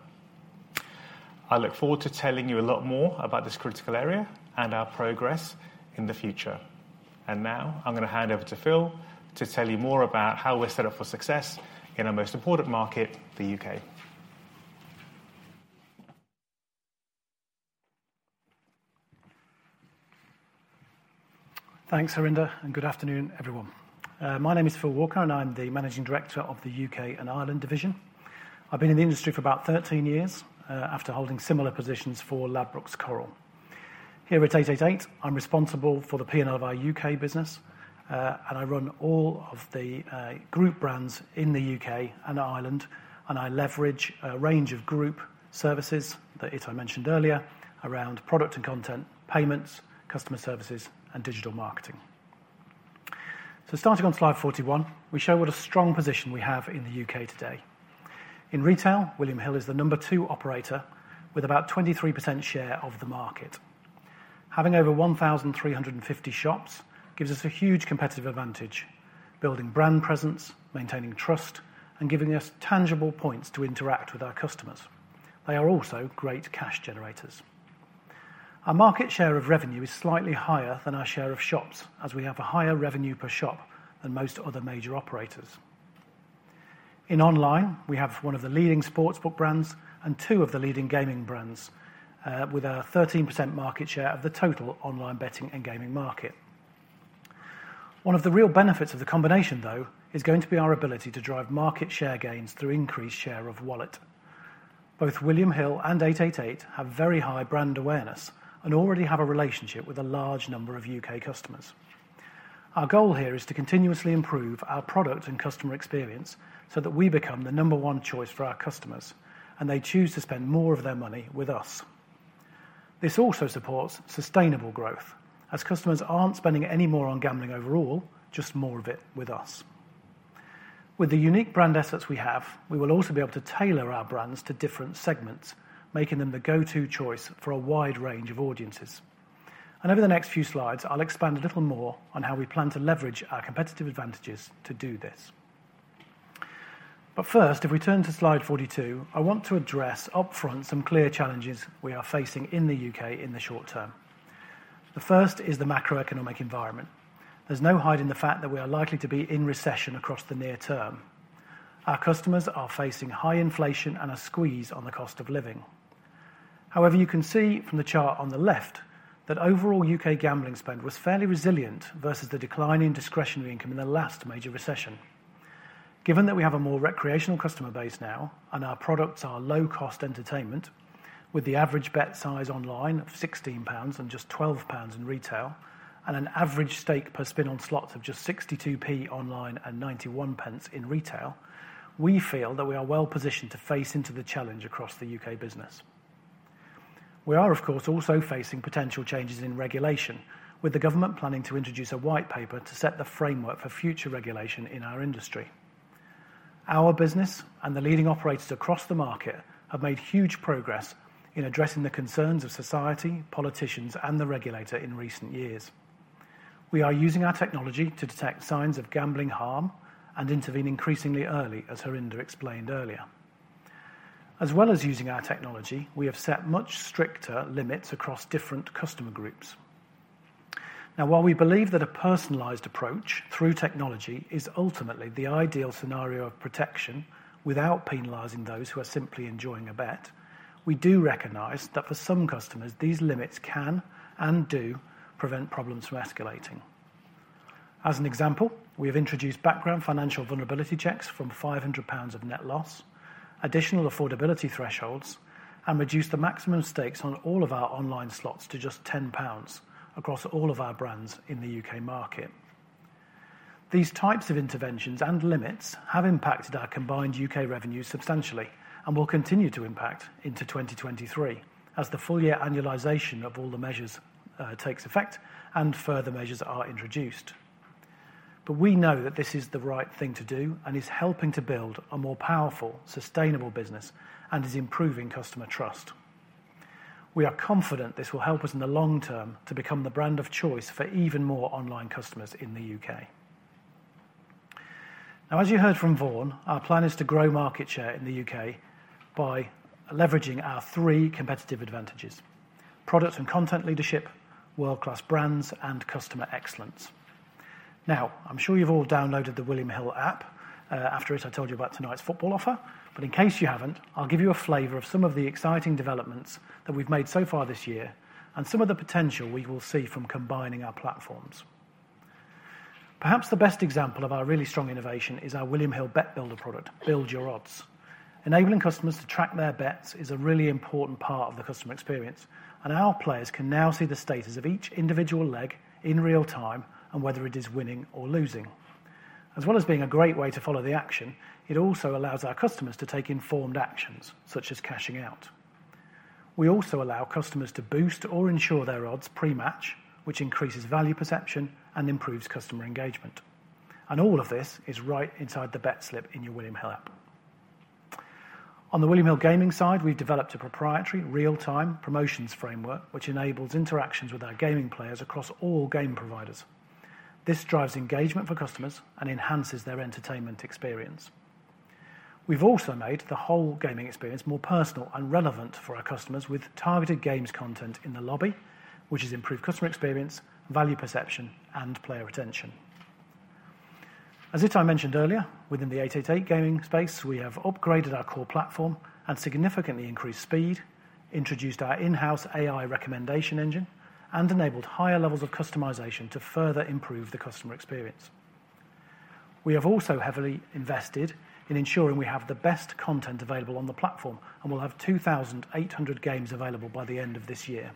I look forward to telling you a lot more about this critical area and our progress in the future. Now I'm gonna hand over to Phil to tell you more about how we're set up for success in our most important market, the U.K.. Thanks, Harinder. Good afternoon, everyone. My name is Phil Walker, and I'm the managing director of the U.K. and Ireland division. I've been in the industry for about 13 years, after holding similar positions for Ladbrokes Coral. Here at 888, I'm responsible for the P&L of our U.K. business, and I run all of the group brands in the U.K. and Ireland, and I leverage a range of group services that Itai mentioned earlier around product and content, payments, customer services, and digital marketing. Starting on slide 41, we show what a strong position we have in the U.K. today. In retail, William Hill is the number two operator with about 23% share of the market. Having over 1,350 shops gives us a huge competitive advantage, building brand presence, maintaining trust, and giving us tangible points to interact with our customers. They are also great cash generators. Our market share of revenue is slightly higher than our share of shops as we have a higher revenue per shop than most other major operators. In online, we have one of the leading sportsbook brands and two of the leading gaming brands, with a 13% market share of the total online betting and gaming market. One of the real benefits of the combination, though, is going to be our ability to drive market share gains through increased share of wallet. Both William Hill and 888 have very high brand awareness and already have a relationship with a large number of U.K. customers. Our goal here is to continuously improve our product and customer experience so that we become the number one choice for our customers, and they choose to spend more of their money with us. This also supports sustainable growth as customers aren't spending any more on gambling overall, just more of it with us. With the unique brand assets we have, we will also be able to tailor our brands to different segments, making them the go-to choice for a wide range of audiences. Over the next few slides, I'll expand a little more on how we plan to leverage our competitive advantages to do this. First, if we turn to slide 42, I want to address upfront some clear challenges we are facing in the U.K. in the short term. The first is the macroeconomic environment. There's no hiding the fact that we are likely to be in recession across the near term. Our customers are facing high inflation and a squeeze on the cost of living. You can see from the chart on the left that overall U.K. gambling spend was fairly resilient versus the decline in discretionary income in the last major recession. Given that we have a more recreational customer base now and our products are low-cost entertainment, with the average bet size online of 16 pounds and just 12 pounds in retail and an average stake per spin on slots of just 0.62 online and 0.91 in retail, we feel that we are well-positioned to face into the challenge across the U.K. business. We are, of course, also facing potential changes in regulation with the government planning to introduce a white paper to set the framework for future regulation in our industry. Our business and the leading operators across the market have made huge progress in addressing the concerns of society, politicians, and the regulator in recent years. We are using our technology to detect signs of gambling harm and intervene increasingly early, as Harinder explained earlier. As well as using our technology, we have set much stricter limits across different customer groups. Now, while we believe that a personalized approach through technology is ultimately the ideal of protection without penalizing those who are simply enjoying a bet, we do recognize that for some customers, these limits can and do prevent problems from escalating. As an example, we have introduced background financial vulnerability checks from 500 pounds of net loss, additional affordability thresholds, and reduced the maximum stakes on all of our online slots to just 10 pounds across all of our brands in the U.K. market. These types of interventions and limits have impacted our combined U.K. revenue substantially and will continue to impact into 2023 as the full year annualization of all the measures takes effect and further measures are introduced. We know that this is the right thing to do and is helping to build a more powerful, sustainable business and is improving customer trust. We are confident this will help us in the long term to become the brand of choice for even more online customers in the U.K. As you heard from Vaughan, our plan is to grow market share in the U.K. by leveraging our three competitive advantages: product and content leadership, world-class brands, and customer excellence. I'm sure you've all downloaded the William Hill app, after it I told you about tonight's football offer, but in case you haven't, I'll give you a flavor of some of the exciting developments that we've made so far this year and some of the potential we will see from combining our platforms. Perhaps the best example of our really strong innovation is our William Hill Bet Builder product, Build Your Odds. Enabling customers to track their bets is a really important part of the customer experience, and our players can now see the status of each individual leg in real time and whether it is winning or losing. As well as being a great way to follow the action, it also allows our customers to take informed actions, such as cashing out. We also allow customers to boost or ensure their odds pre-match, which increases value perception and improves customer engagement. All of this is right inside the bet slip in your William Hill app. On the William Hill Gaming side, we've developed a proprietary real-time promotions framework, which enables interactions with our gaming players across all game providers. This drives engagement for customers and enhances their entertainment experience. We've also made the whole gaming experience more personal and relevant for our customers with targeted games content in the lobby, which has improved customer experience, value perception, and player retention. As Itai mentioned earlier, within the 888 gaming space, we have upgraded our core platform and significantly increased speed, introduced our in-house AI recommendation engine, and enabled higher levels of customization to further improve the customer experience. We have also heavily invested in ensuring we have the best content available on the platform, and we'll have 2,800 games available by the end of this year.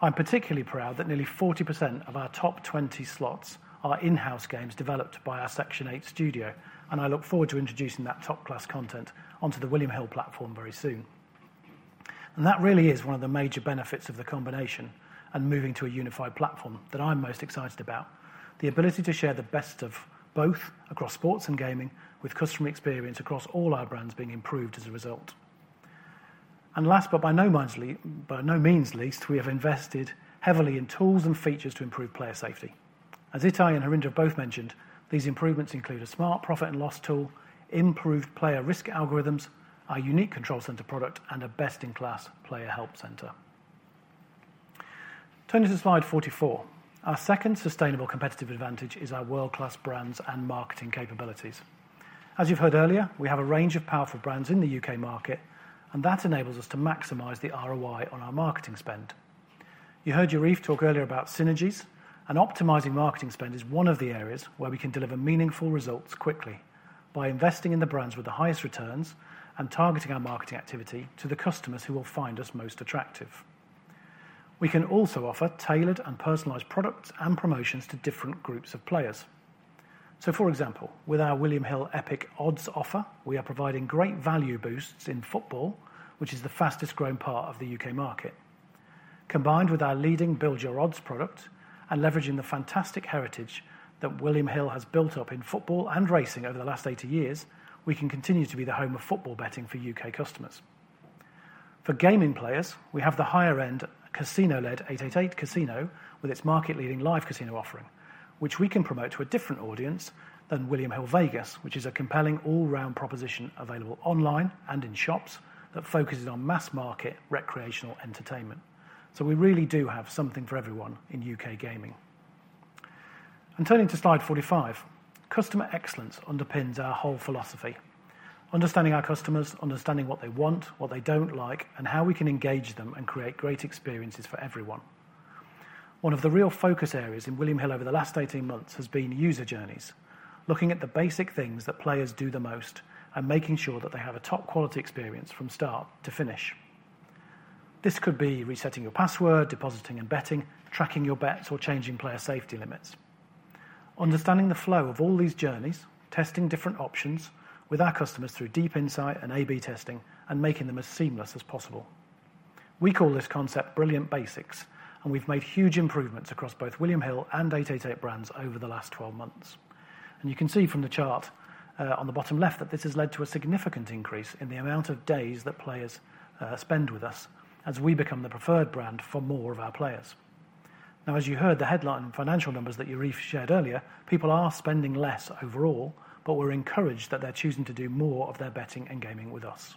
I'm particularly proud that nearly 40% of our top 20 slots are in-house games developed by our Section 8 Studio, and I look forward to introducing that top-class content onto the William Hill platform very soon. That really is one of the major benefits of the combination and moving to a unified platform that I'm most excited about. The ability to share the best of both across sports and gaming with customer experience across all our brands being improved as a result. Last but by no means least, we have invested heavily in tools and features to improve player safety. As Itai and Harinder both mentioned, these improvements include a smart profit and loss tool, improved player risk algorithms, our unique Control Centre product, and a best-in-class player help center. Turning to slide 44. Our second sustainable competitive advantage is our world-class brands and marketing capabilities. As you've heard earlier, we have a range of powerful brands in the U.K. market, that enables us to maximize the ROI on our marketing spend. You heard Yariv talk earlier about synergies, optimizing marketing spend is one of the areas where we can deliver meaningful results quickly by investing in the brands with the highest returns and targeting our marketing activity to the customers who will find us most attractive. For example, with our William Hill Epic Odds offer, we are providing great value boosts in football, which is the fastest-growing part of the U.K. market. Combined with our leading Build #YourOdds product and leveraging the fantastic heritage that William Hill has built up in football and racing over the last 80 years, we can continue to be the home of football betting for U.K. customers. For gaming players, we have the higher-end casino-led 888casino with its market-leading live casino offering, which we can promote to a different audience than William Hill Vegas, which is a compelling all-round proposition available online and in shops that focuses on mass-market recreational entertainment. We really do have something for everyone in U.K. gaming. Turning to slide 45, customer excellence underpins our whole philosophy. Understanding our customers, understanding what they want, what they don't like, and how we can engage them and create great experiences for everyone. One of the real focus areas in William Hill over the last 18 months has been user journeys, looking at the basic things that players do the most and making sure that they have a top-quality experience from start to finish. This could be resetting your password, depositing and betting, tracking your bets, or changing player safety limits. Understanding the flow of all these journeys, testing different options with our customers through deep insight and A/B testing, and making them as seamless as possible. We call this concept Brilliant Basics, and we've made huge improvements across both William Hill and 888 brands over the last 12 months. You can see from the chart on the bottom left that this has led to a significant increase in the amount of days that players spend with us as we become the preferred brand for more of our players. Now, as you heard the headline financial numbers that Yariv shared earlier, people are spending less overall, but we're encouraged that they're choosing to do more of their betting and gaming with us.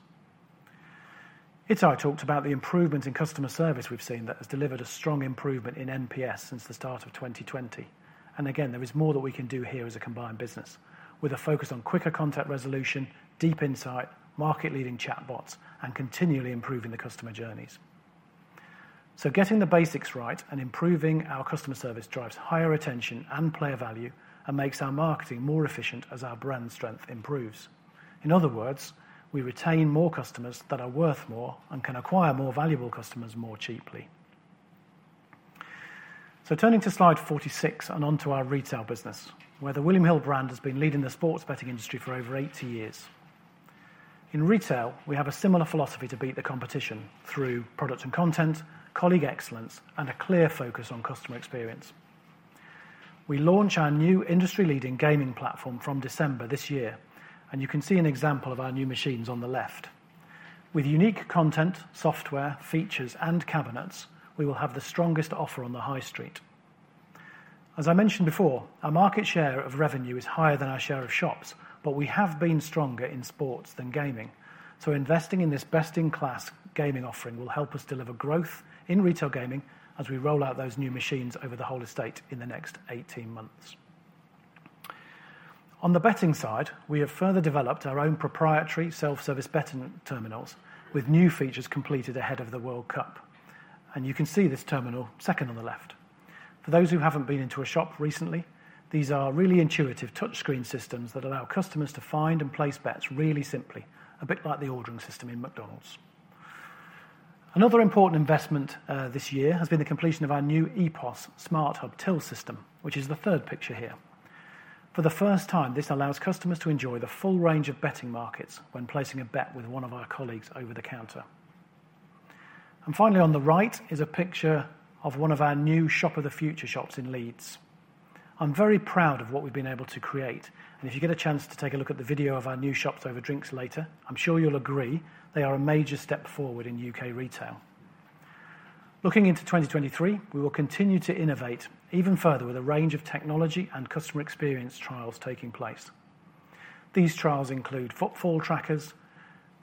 Itai talked about the improvement in customer service we've seen that has delivered a strong improvement in NPS since the start of 2020. Again, there is more that we can do here as a combined business with a focus on quicker contact resolution, deep insight, market-leading chatbots, and continually improving the customer journeys. Getting the basics right and improving our customer service drives higher retention and player value and makes our marketing more efficient as our brand strength improves. In other words, we retain more customers that are worth more and can acquire more valuable customers more cheaply. Turning to slide 46 and onto our retail business, where the William Hill brand has been leading the sports betting industry for over 80 years. In retail, we have a similar philosophy to beat the competition through product and content, colleague excellence, and a clear focus on customer experience. We launch our new industry-leading gaming platform from December this year, and you can see an example of our new machines on the left. With unique content, software, features, and cabinets, we will have the strongest offer on the high street. As I mentioned before, our market share of revenue is higher than our share of shops, but we have been stronger in sports than gaming. Investing in this best-in-class gaming offering will help us deliver growth in retail gaming as we roll out those new machines over the whole estate in the next 18 months. On the betting side, we have further developed our own proprietary self-service betting terminals with new features completed ahead of the World Cup, and you can see this terminal second on the left. For those who haven't been into a shop recently, these are really intuitive touchscreen systems that allow customers to find and place bets really simply, a bit like the ordering system in McDonald's. Another important investment this year has been the completion of our new Epos Smart Hub till system, which is the third picture here. For the first time, this allows customers to enjoy the full range of betting markets when placing a bet with one of our colleagues over the counter. Finally, on the right is a picture of one of our new Shop of the Future shops in Leeds. I'm very proud of what we've been able to create, and if you get a chance to take a look at the video of our new shops over drinks later, I'm sure you'll agree they are a major step forward in U.K. retail. Looking into 2023, we will continue to innovate even further with a range of technology and customer experience trials taking place. These trials include footfall trackers,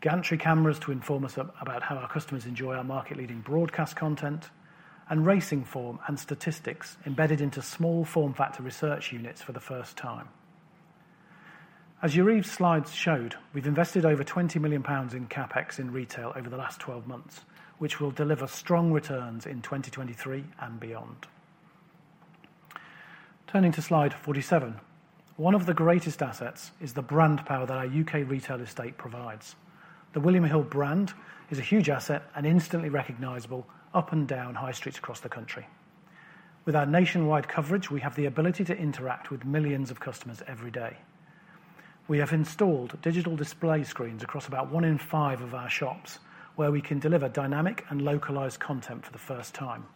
gantry cameras to inform us about how our customers enjoy our market-leading broadcast content, and racing form and statistics embedded into small form factor research units for the first time. As Yariv's slides showed, we've invested over 20 million pounds in CapEx in retail over the last 12 months, which will deliver strong returns in 2023 and beyond. Turning to slide 47. One of the greatest assets is the brand power that our U.K. retail estate provides. The William Hill brand is a huge asset and instantly recognizable up and down high streets across the country. With our nationwide coverage, we have the ability to interact with millions of customers every day. We have installed digital display screens across about one in five of our shops, where we can deliver dynamic and localized content for the first time.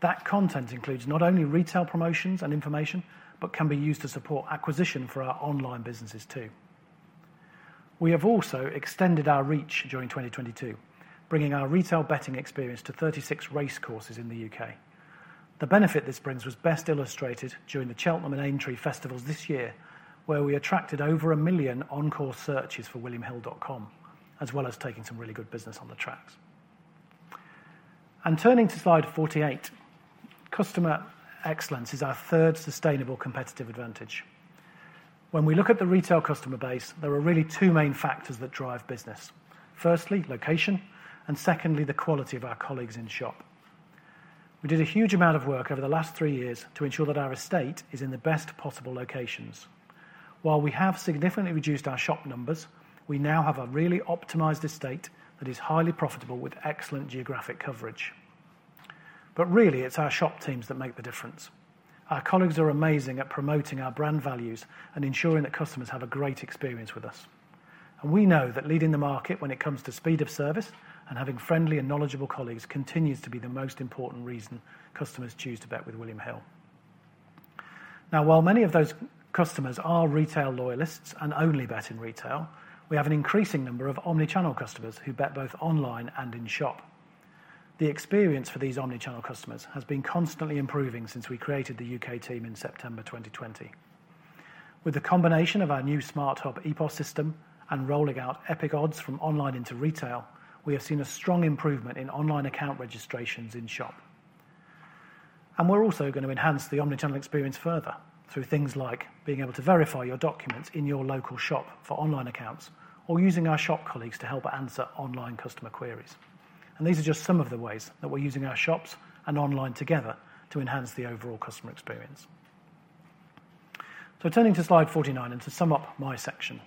That content includes not only retail promotions and information but can be used to support acquisition for our online businesses too. We have also extended our reach during 2022, bringing our retail betting experience to 36 race courses in the U.K. The benefit this brings was best illustrated during the Cheltenham and Aintree festivals this year, where we attracted over a million on-course searches for williamhill.com, as well as taking some really good business on the tracks. Turning to slide 48, customer excellence is our third sustainable competitive advantage. When we look at the retail customer base, there are really two main factors that drive business. Firstly, location, and secondly, the quality of our colleagues in shop. We did a huge amount of work over the last three years to ensure that our estate is in the best possible locations. While we have significantly reduced our shop numbers, we now have a really optimized estate that is highly profitable with excellent geographic coverage. Really, it's our shop teams that make the difference. Our colleagues are amazing at promoting our brand values and ensuring that customers have a great experience with us. We know that leading the market when it comes to speed of service and having friendly and knowledgeable colleagues continues to be the most important reason customers choose to bet with William Hill. Now, while many of those customers are retail loyalists and only bet in retail, we have an increasing number of omnichannel customers who bet both online and in-shop. The experience for these omnichannel customers has been constantly improving since we created the U.K. team in September 2020. With the combination of our new Smart Hub Epos system and rolling out Epic Odds from online into retail, we have seen a strong improvement in online account registrations in-shop. We're also gonna enhance the omnichannel experience further through things like being able to verify your documents in your local shop for online accounts or using our shop colleagues to help answer online customer queries. These are just some of the ways that we're using our shops and online together to enhance the overall customer experience. Turning to slide 49, and to sum up my section,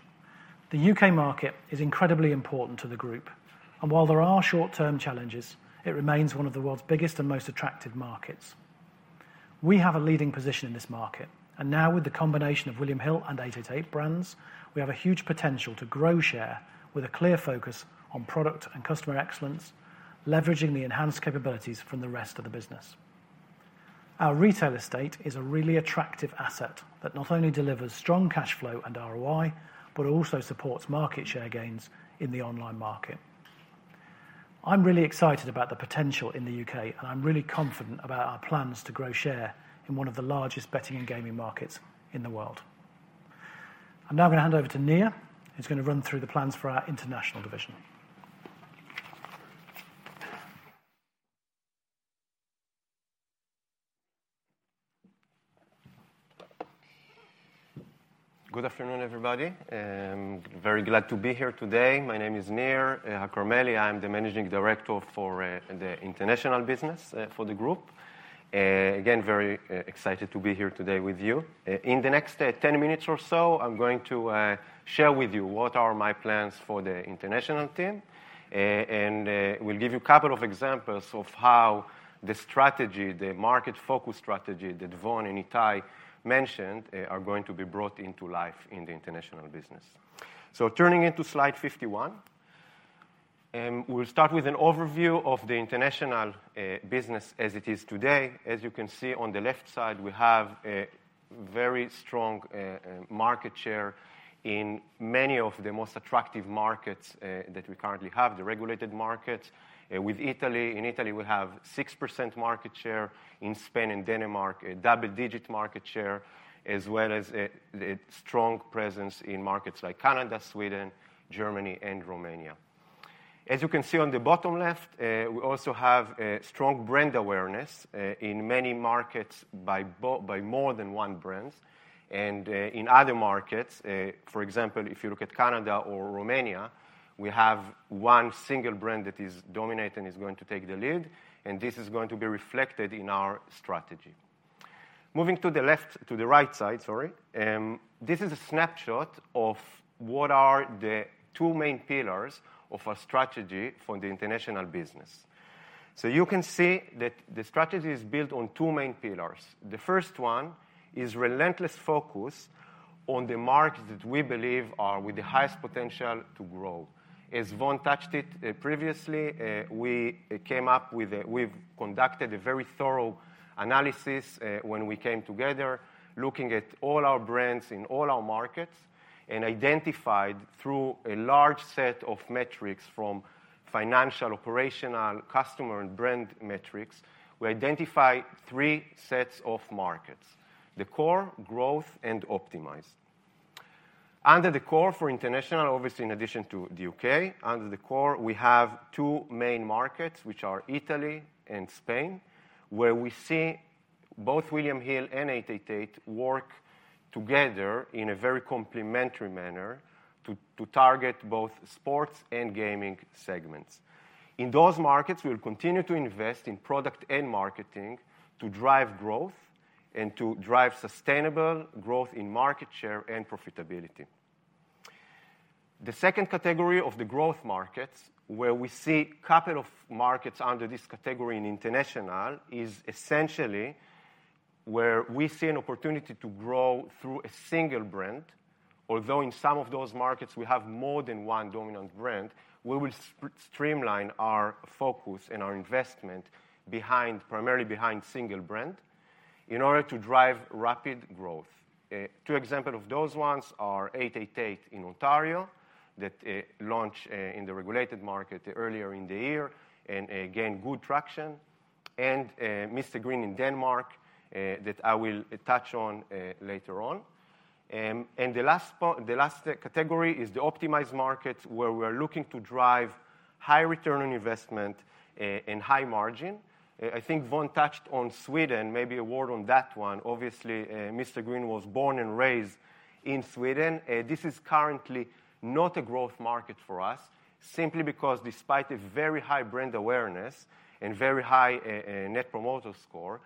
the U.K. market is incredibly important to the group, and while there are short-term challenges, it remains one of the world's biggest and most attractive markets. We have a leading position in this market, and now with the combination of William Hill and 888 brands, we have a huge potential to grow share with a clear focus on product and customer excellence, leveraging the enhanced capabilities from the rest of the business. Our retail estate is a really attractive asset that not only delivers strong cash flow and ROI, but also supports market share gains in the online market. I'm really excited about the potential in the U.K., and I'm really confident about our plans to grow share in one of the largest betting and gaming markets in the world. I'm now gonna hand over to Nir, who's gonna run through the plans for our international division. Good afternoon, everybody. Very glad to be here today. My name is Nir Hakarmeli. I'm the Managing Director for the International Business for the group. Again, very excited to be here today with you. In the next 10 minutes or so, I'm going to share with you what are my plans for the international team. We'll give you a couple of examples of how the strategy, the market focus strategy that Vaughan and Itai mentioned are going to be brought into life in the international business. Turning into slide 51, we'll start with an overview of the international business as it is today. As you can see on the left side, we have a very strong market share in many of the most attractive markets that we currently have, the regulated markets. With Italy, in Italy, we have 6% market share, in Spain and Denmark, double-digit market share, as well as a strong presence in markets like Canada, Sweden, Germany, and Romania. As you can see on the bottom left, we also have strong brand awareness in many markets by by more than one brands. In other markets, for example, if you look at Canada or Romania, we have one single brand that is dominating, is going to take the lead, and this is going to be reflected in our strategy. Moving to the right side, sorry. This is a snapshot of what are the two main pillars of our strategy for the international business. You can see that the strategy is built on two main pillars. The first one is relentless focus on the markets that we believe are with the highest potential to grow. As Vaughan touched it previously, we came up with, we've conducted a very thorough analysis, when we came together, looking at all our brands in all our markets and identified through a large set of metrics from financial, operational, customer, and brand metrics, we identified three sets of markets: the core, growth, and optimized. Under the core for international, obviously, in addition to the U.K., under the core, we have two main markets, which are Italy and Spain, where we see both William Hill and 888 work together in a very complementary manner to target both sports and gaming segments. In those markets, we will continue to invest in product and marketing to drive growth and to drive sustainable growth in market share and profitability. The second category of the growth markets, where we see couple of markets under this category in international, is essentially where we see an opportunity to grow through a single brand. Although in some of those markets we have more than one dominant brand, we will streamline our focus and our investment behind, primarily behind single brand in order to drive rapid growth. Two example of those ones are 888 in Ontario that launched in the regulated market earlier in the year and, again, good traction, and Mr Green in Denmark that I will touch on later on. The last part, the last category is the optimized market, where we're looking to drive high ROI and high margin. I think Vaughan touched on Sweden, maybe a word on that one. Obviously, Mr Green was born and raised in Sweden. this is currently not a growth market for us simply because despite a very high brand awareness and very high net promoter score,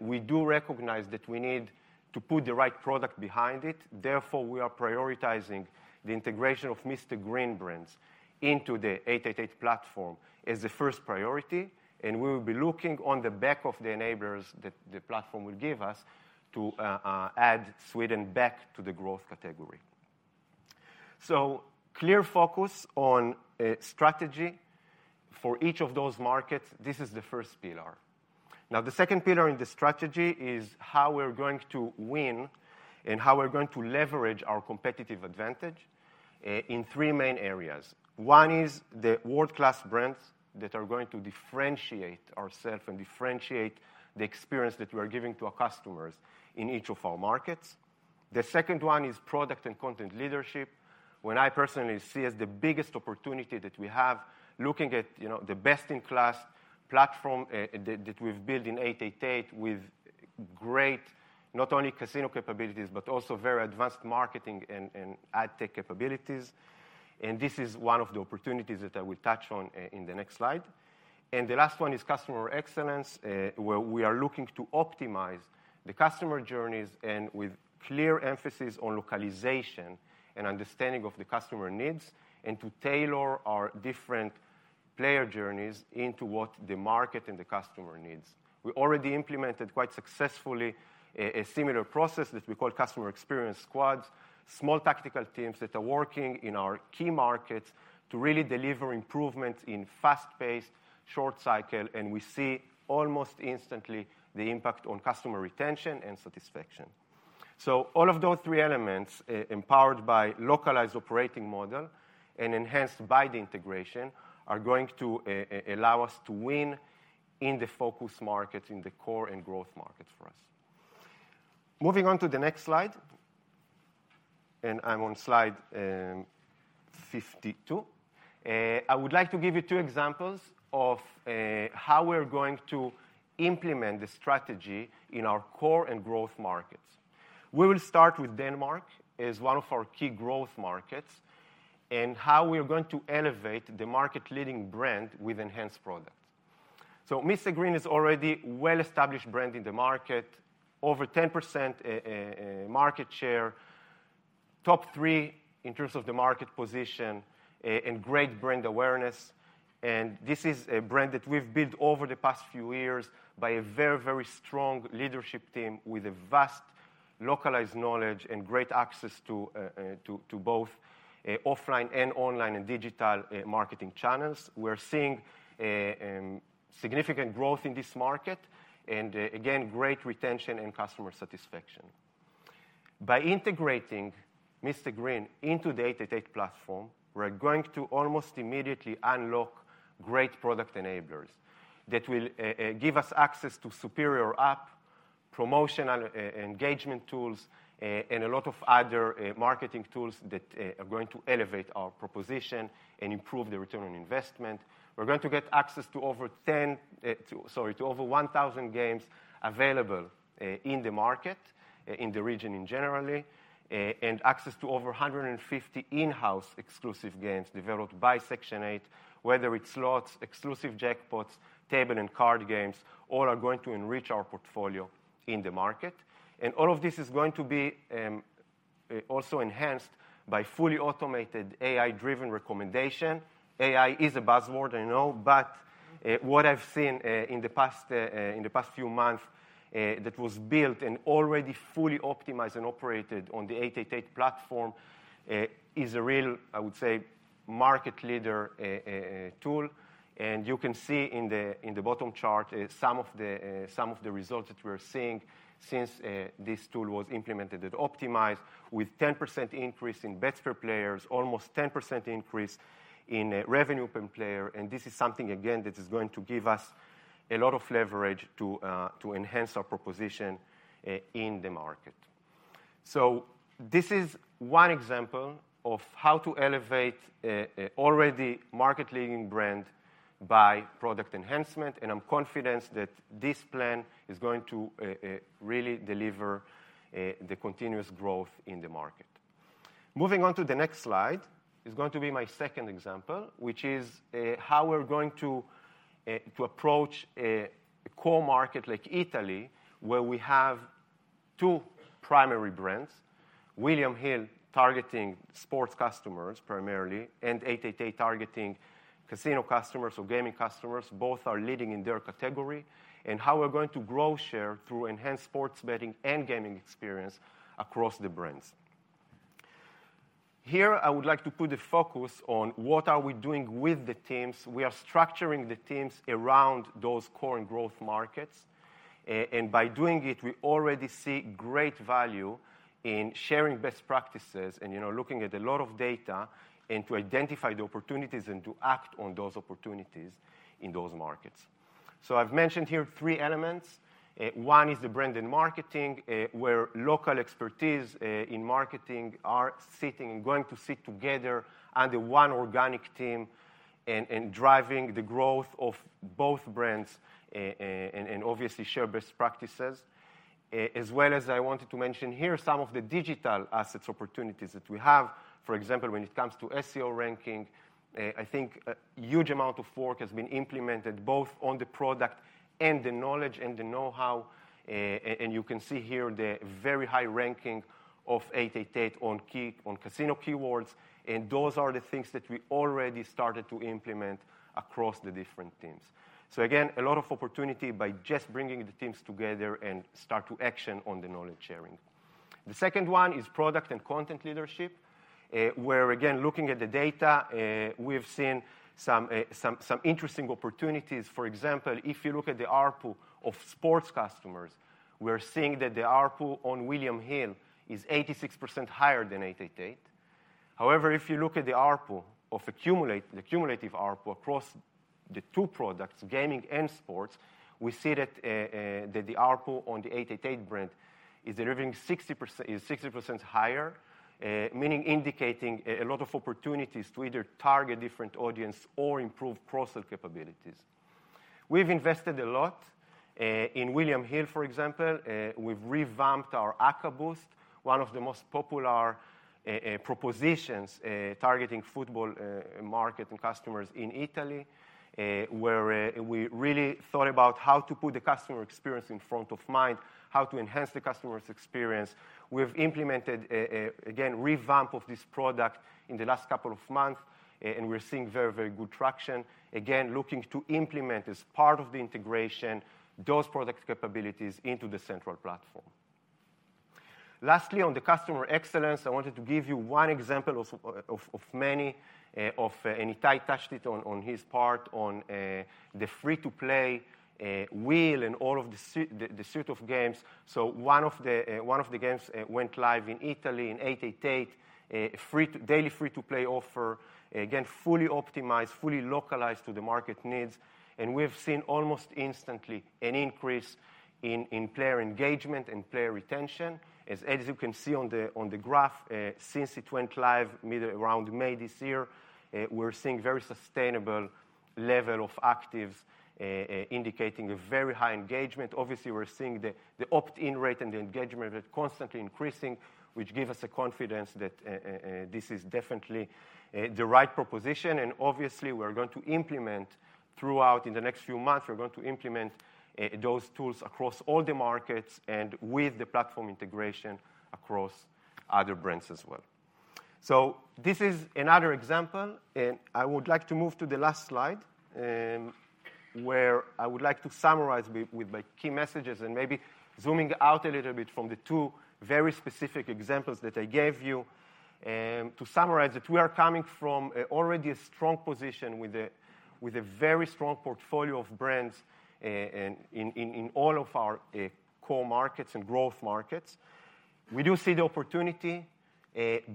we do recognize that we need to put the right product behind it. Therefore, we are prioritizing the integration of Mr Green brands into the 888 platform as the first priority, and we will be looking on the back of the enablers that the platform will give us to add Sweden back to the growth category. Clear focus on strategy for each of those markets. This is the first pillar. The second pillar in the strategy is how we're going to win and how we're going to leverage our competitive advantage in three main areas. One is the world-class brands that are going to differentiate ourself and differentiate the experience that we are giving to our customers in each of our markets. The second one is product and content leadership, where I personally see as the biggest opportunity that we have, looking at, you know, the best-in-class platform that we've built in 888 with great not only casino capabilities, but also very advanced marketing and ad tech capabilities. This is one of the opportunities that I will touch on in the next slide. The last one is customer excellence, where we are looking to optimize the customer journeys and with clear emphasis on localization and understanding of the customer needs and to tailor our different player journeys into what the market and the customer needs. We already implemented quite successfully a similar process that we call customer experience squads, small tactical teams that are working in our key markets to really deliver improvements in fast-paced, short cycle, and we see almost instantly the impact on customer retention and satisfaction. All of those three elements, empowered by localized operating model and enhanced by the integration, are going to allow us to win in the focus markets, in the core and growth markets for us. Moving on to the next slide. I'm on slide 52. I would like to give you 2 examples of how we're going to implement the strategy in our core and growth markets. We will start with Denmark as one of our key growth markets, and how we are going to elevate the market-leading brand with enhanced products. Mr Green is already well-established brand in the market. Over 10% market share, top three in terms of the market position, and great brand awareness. This is a brand that we've built over the past few years by a very, very strong leadership team with a vast localized knowledge and great access to both offline and online and digital marketing channels. We're seeing significant growth in this market and again, great retention and customer satisfaction. By integrating Mr Green into the 888 platform, we're going to almost immediately unlock great product enablers that will give us access to superior app, promotional engagement tools, and a lot of other marketing tools that are going to elevate our proposition and improve the return on investment. We're going to get access to Sorry, to over 1,000 games available in the market, in the region in generally, and access to over 150 in-house exclusive games developed by Section 8, whether it's slots, exclusive jackpots, table and card games, all are going to enrich our portfolio in the market. All of this is going to be also enhanced by fully automated AI-driven recommendation. AI is a buzzword, I know, but what I've seen in the past, in the past few months, that was built and already fully optimized and operated on the 888 platform, is a real, I would say, market leader tool. You can see in the bottom chart some of the results that we're seeing since this tool was implemented and optimized with 10% increase in bets per players, almost 10% increase in revenue per player. This is something, again, that is going to give us a lot of leverage to enhance our proposition in the market. This is one example of how to elevate a already market-leading brand by product enhancement, and I'm confident that this plan is going to really deliver the continuous growth in the market. Moving on to the next slide is going to be my second example, which is how we're going to approach a core market like Italy, where we have two primary brands, William Hill targeting sports customers primarily, and 888 targeting casino customers or gaming customers. Both are leading in their category. How we're going to grow share through enhanced sports betting and gaming experience across the brands. Here I would like to put the focus on what are we doing with the teams. We are structuring the teams around those core and growth markets. By doing it, we already see great value in sharing best practices and, you know, looking at a lot of data and to identify the opportunities and to act on those opportunities in those markets. I've mentioned here three elements. One is the brand and marketing, where local expertise in marketing are sitting and going to sit together under one organic team and driving the growth of both brands and obviously share best practices. As well as I wanted to mention here some of the digital assets opportunities that we have. For example, when it comes to SEO ranking, I think a huge amount of work has been implemented both on the product and the knowledge and the know-how. And you can see here the very high ranking of 888 on casino keywords, and those are the things that we already started to implement across the different teams. Again, a lot of opportunity by just bringing the teams together and start to action on the knowledge sharing. The second one is product and content leadership, where again looking at the data, we've seen some interesting opportunities. For example, if you look at the ARPU of sports customers, we are seeing that the ARPU on William Hill is 86% higher than 888. However, if you look at the ARPU of accumulate, the cumulative ARPU across the two products, gaming and sports, we see that the ARPU on the 888 brand is delivering is 60% higher, meaning indicating a lot of opportunities to either target different audience or improve cross-sell capabilities. We've invested a lot in William Hill, for example. We've revamped our Acca Boost, one of the most popular propositions, targeting football market and customers in Italy, where we really thought about how to put the customer experience in front of mind, how to enhance the customer's experience. We've implemented again, revamp of this product in the last couple of months, and we're seeing very, very good traction. Again, looking to implement as part of the integration those product capabilities into the central platform. Lastly, on the customer excellence, I wanted to give you one example of many, and Itai touched it on his part, on the free-to-play wheel and all of the suit of games. One of the games went live in Italy in 888, a free to... daily free-to-play offer, again, fully optimized, fully localized to the market needs. We have seen almost instantly an increase in player engagement and player retention. As you can see on the graph, since it went live mid around May this year, we're seeing very sustainable level of actives, indicating a very high engagement. Obviously, we're seeing the opt-in rate and the engagement rate constantly increasing, which give us the confidence that this is definitely the right proposition. Obviously, we're going to implement throughout, in the next few months, we're going to implement those tools across all the markets and with the platform integration across other brands as well. This is another example, and I would like to move to the last slide, where I would like to summarize with my key messages and maybe zooming out a little bit from the two very specific examples that I gave you. To summarize it, we are coming from already a strong position with a very strong portfolio of brands in all of our core markets and growth markets. We do see the opportunity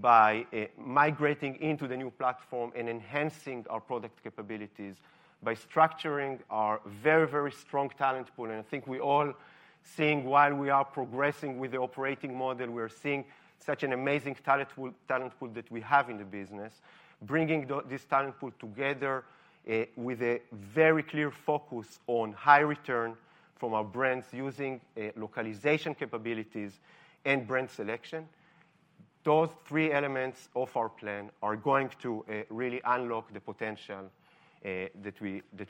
by migrating into the new platform and enhancing our product capabilities by structuring our very strong talent pool. I think we all seeing while we are progressing with the operating model, we are seeing such an amazing talent pool that we have in the business. Bringing this talent pool together, with a very clear focus on high return from our brands using localization capabilities and brand selection. Those three elements of our plan are going to really unlock the potential that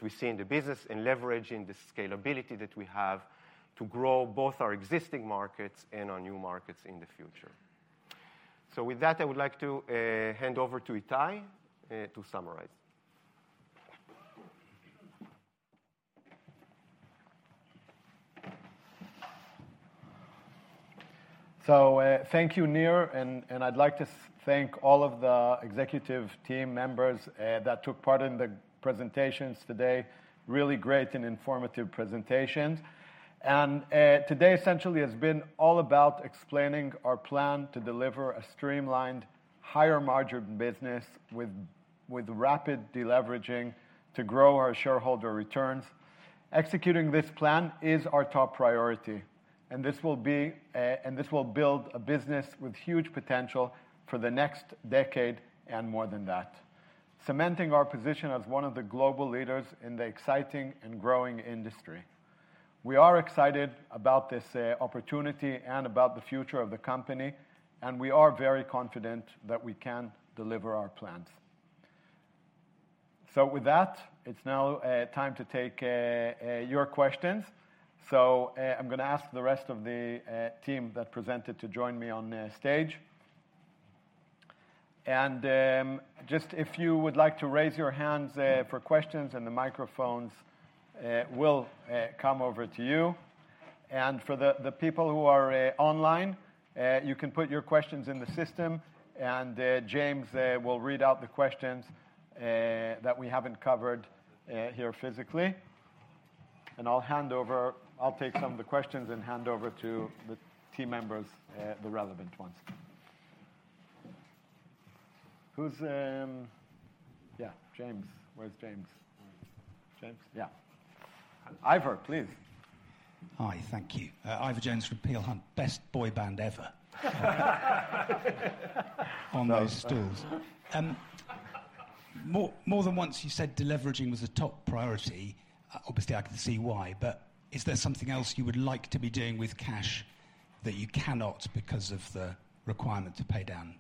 we see in the business and leveraging the scalability that we have to grow both our existing markets and our new markets in the future. With that, I would like to hand over to Itai to summarize. Thank you, Nir, and I'd like to thank all of the executive team members that took part in the presentations today. Really great and informative presentations. Today essentially has been all about explaining our plan to deliver a streamlined higher margin business with rapid deleveraging to grow our shareholder returns. Executing this plan is our top priority, and this will build a business with huge potential for the next decade and more than that, cementing our position as one of the global leaders in the exciting and growing industry. We are excited about this opportunity and about the future of the company, and we are very confident that we can deliver our plans. With that, it's now time to take your questions. I'm gonna ask the rest of the team that presented to join me on stage. Just if you would like to raise your hands for questions and the microphones will come over to you. For the people who are online, you can put your questions in the system, and James will read out the questions that we haven't covered here physically. I'll take some of the questions and hand over to the team members, the relevant ones. Who's... Yeah, James. Where's James? James? Yeah. Ivor, please. Hi. Thank you. Ivor Jones from Peel Hunt. Best boy band ever- -on those stools. More than once you said deleveraging was a top priority. Obviously I can see why. Is there something else you would like to be doing with cash that you cannot because of the requirement to pay down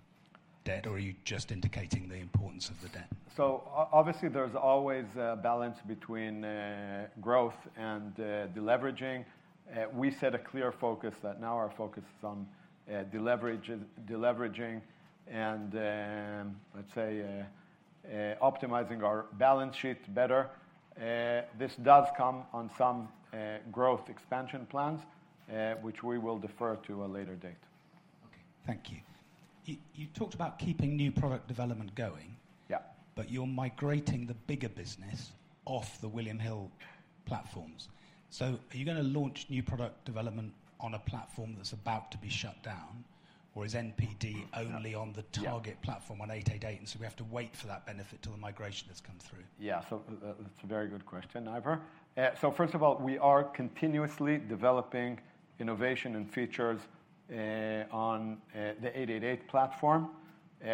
debt, or are you just indicating the importance of the debt? Obviously, there's always a balance between growth and deleveraging. We set a clear focus that now our focus is on deleveraging and, let's say, optimizing our balance sheet better. This does come on some growth expansion plans, which we will defer to a later date. Okay. Thank you. You talked about keeping new product development going- Yeah. You're migrating the bigger business off the William Hill platforms. Are you gonna launch new product development on a platform that's about to be shut down, or is NPD only on the? Yeah. target platform on 888, and so we have to wait for that benefit till the migration has come through? Yeah. That's a very good question, Ivor. First of all, we are continuously developing innovation and features on the 888 platform.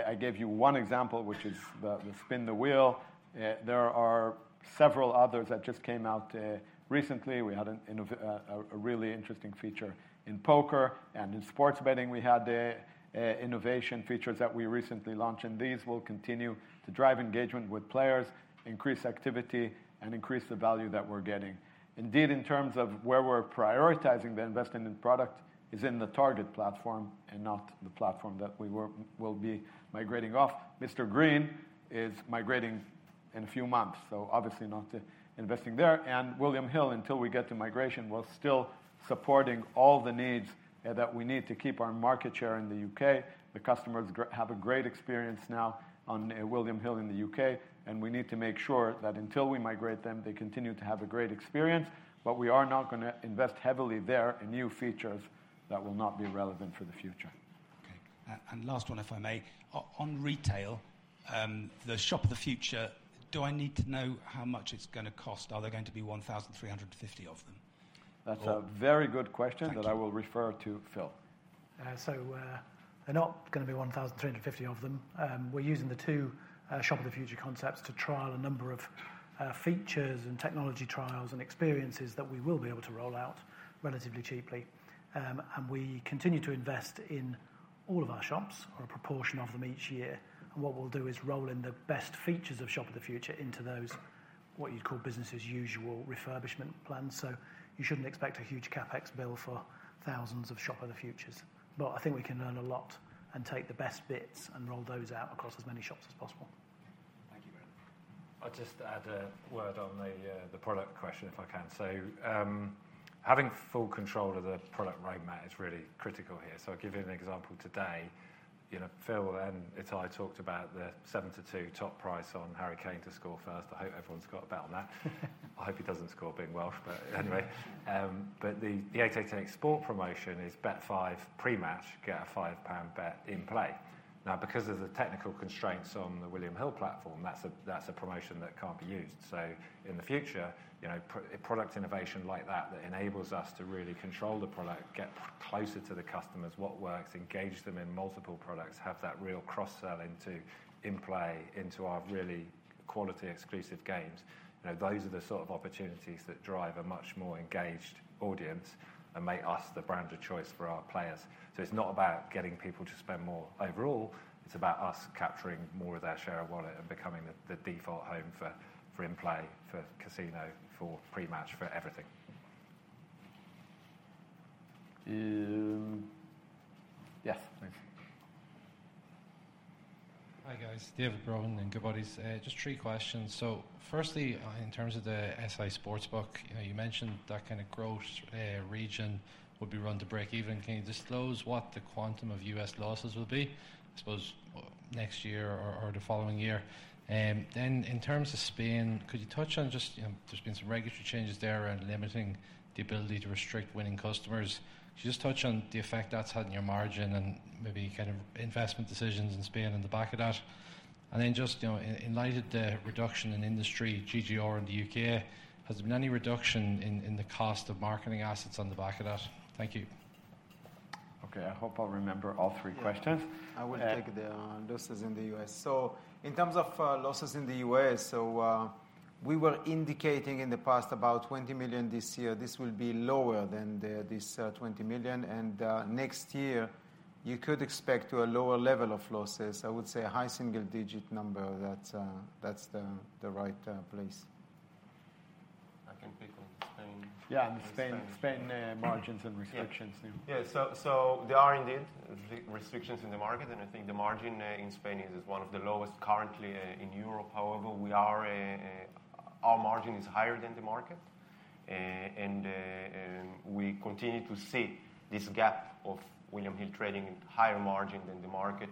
I gave you 1 example, which is the spin the wheel. There are several others that just came out recently. We had a really interesting feature in poker and in sports betting. We had innovation features that we recently launched, and these will continue to drive engagement with players, increase activity, and increase the value that we're getting. Indeed, in terms of where we're prioritizing the investment in product is in the target platform and not the platform that we will be migrating off. Mr Green is migrating in a few months, so obviously not investing there. William Hill, until we get to migration, we're still supporting all the needs that we need to keep our market share in the U.K.. The customers have a great experience now on William Hill in the U.K., and we need to make sure that until we migrate them, they continue to have a great experience. We are not gonna invest heavily there in new features that will not be relevant for the future. Okay. Last one, if I may. On, on retail, the Shop of the Future, do I need to know how much it's gonna cost? Are there going to be 1,350 of them? That's a very good question. Thank you. that I will refer to Phil. There're not gonna be 1,350 of them. We're using the two Shop of the Future concepts to trial a number of features and technology trials and experiences that we will be able to roll out relatively cheaply. We continue to invest in all of our shops or a proportion of them each year. What we'll do is roll in the best features of Shop of the Future into those, what you'd call business as usual refurbishment plans. You shouldn't expect a huge CapEx bill for thousands of Shop of the Futures. I think we can learn a lot and take the best bits and roll those out across as many shops as possible. Thank you very much. I'll just add a word on the product question, if I can. Having full control of the product roadmap is really critical here. I'll give you an example today. You know, Phil and Itai talked about the seven to two top price on Harry Kane to score first. I hope everyone's got a bet on that. I hope he doesn't score being Welsh, but anyway. The 888sport promotion is bet five pre-match, get a GBP five bet in-play. Now because of the technical constraints on the William Hill platform, that's a promotion that can't be used. In the future, you know, product innovation like that enables us to really control the product, get closer to the customers, what works, engage them in multiple products, have that real cross-selling to in-play into our really quality exclusive games. You know, those are the sort of opportunities that drive a much more engaged audience and make us the brand of choice for our players. It's not about getting people to spend more overall, it's about us capturing more of their share of wallet and becoming the default home for in-play, for casino, for pre-match, for everything. Yeah. Thanks. Hi, guys. David Brohan in Goodbody. Just three questions. Firstly, in terms of the SI Sportsbook, you know, you mentioned that kind of gross region would be run to break even. Can you disclose what the quantum of U.S. Losses will be, I suppose, next year or the following year? In terms of Spain, could you touch on just, you know, there's been some regulatory changes there around limiting the ability to restrict winning customers. Could you just touch on the effect that's had on your margin and maybe kind of investment decisions in Spain on the back of that? Just, you know, in light of the reduction in industry GGR in the U.K., has there been any reduction in the cost of marketing assets on the back of that? Thank you. Okay, I hope I'll remember all three questions. Yeah. Uh- I will take the losses in the U.S. In terms of losses in the U.S., we were indicating in the past about $20 million this year. This will be lower than this $20 million. Next year, you could expect to a lower level of losses. I would say a high single digit number. That's the right place. I can pick on Spain. Yeah, on Spain. Spain. Spain, margins and restrictions. Yeah. There are indeed re-restrictions in the market, and I think the margin in Spain is one of the lowest currently in Europe. However, we are, our margin is higher than the market. We continue to see this gap of William Hill trading higher margin than the market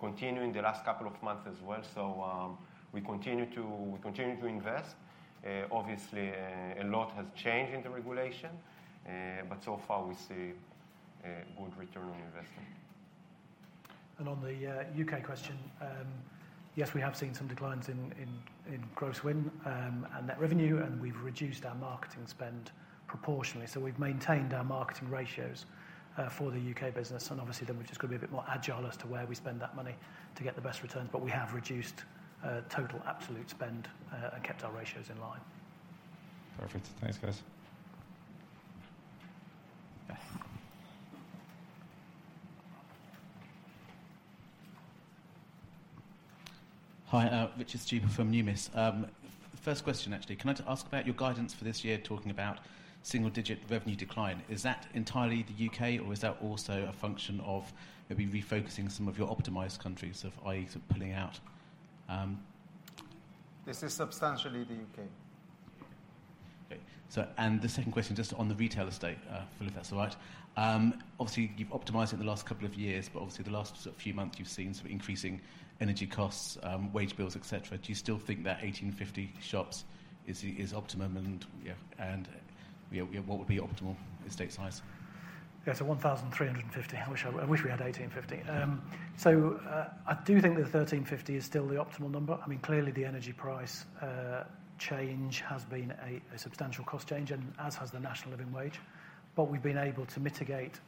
continue in the last couple of months as well. We continue to invest. Obviously a lot has changed in the regulation, but so far we see a good ROI. On the U.K. question, yes, we have seen some declines in gross win and net revenue, we've reduced our marketing spend proportionally. We've maintained our marketing ratios for the U.K. business. Obviously then we've just got to be a bit more agile as to where we spend that money to get the best returns. We have reduced total absolute spend and kept our ratios in line. Perfect. Thanks, guys. Beth. Hi, Richard Stuber from Numis. First question, actually. Can I just ask about your guidance for this year talking about single digit revenue decline? Is that entirely the U.K. or is that also a function of maybe refocusing some of your optimized countries of, i.e., sort of pulling out? This is substantially the U.K.. The second question, just on the retail estate, Phil, if that's all right. Obviously you've optimized it in the last couple of years, but obviously the last few months you've seen sort of increasing energy costs, wage bills, et cetera. Do you still think that 1,850 shops is optimum and, you know, what would be optimal estate size? Yeah. 1,350. I wish we had 1,850. I do think that the 1,350 is still the optimal number. I mean, clearly the energy price change has been a substantial cost change and as has the National Living Wage. We've been able to mitigate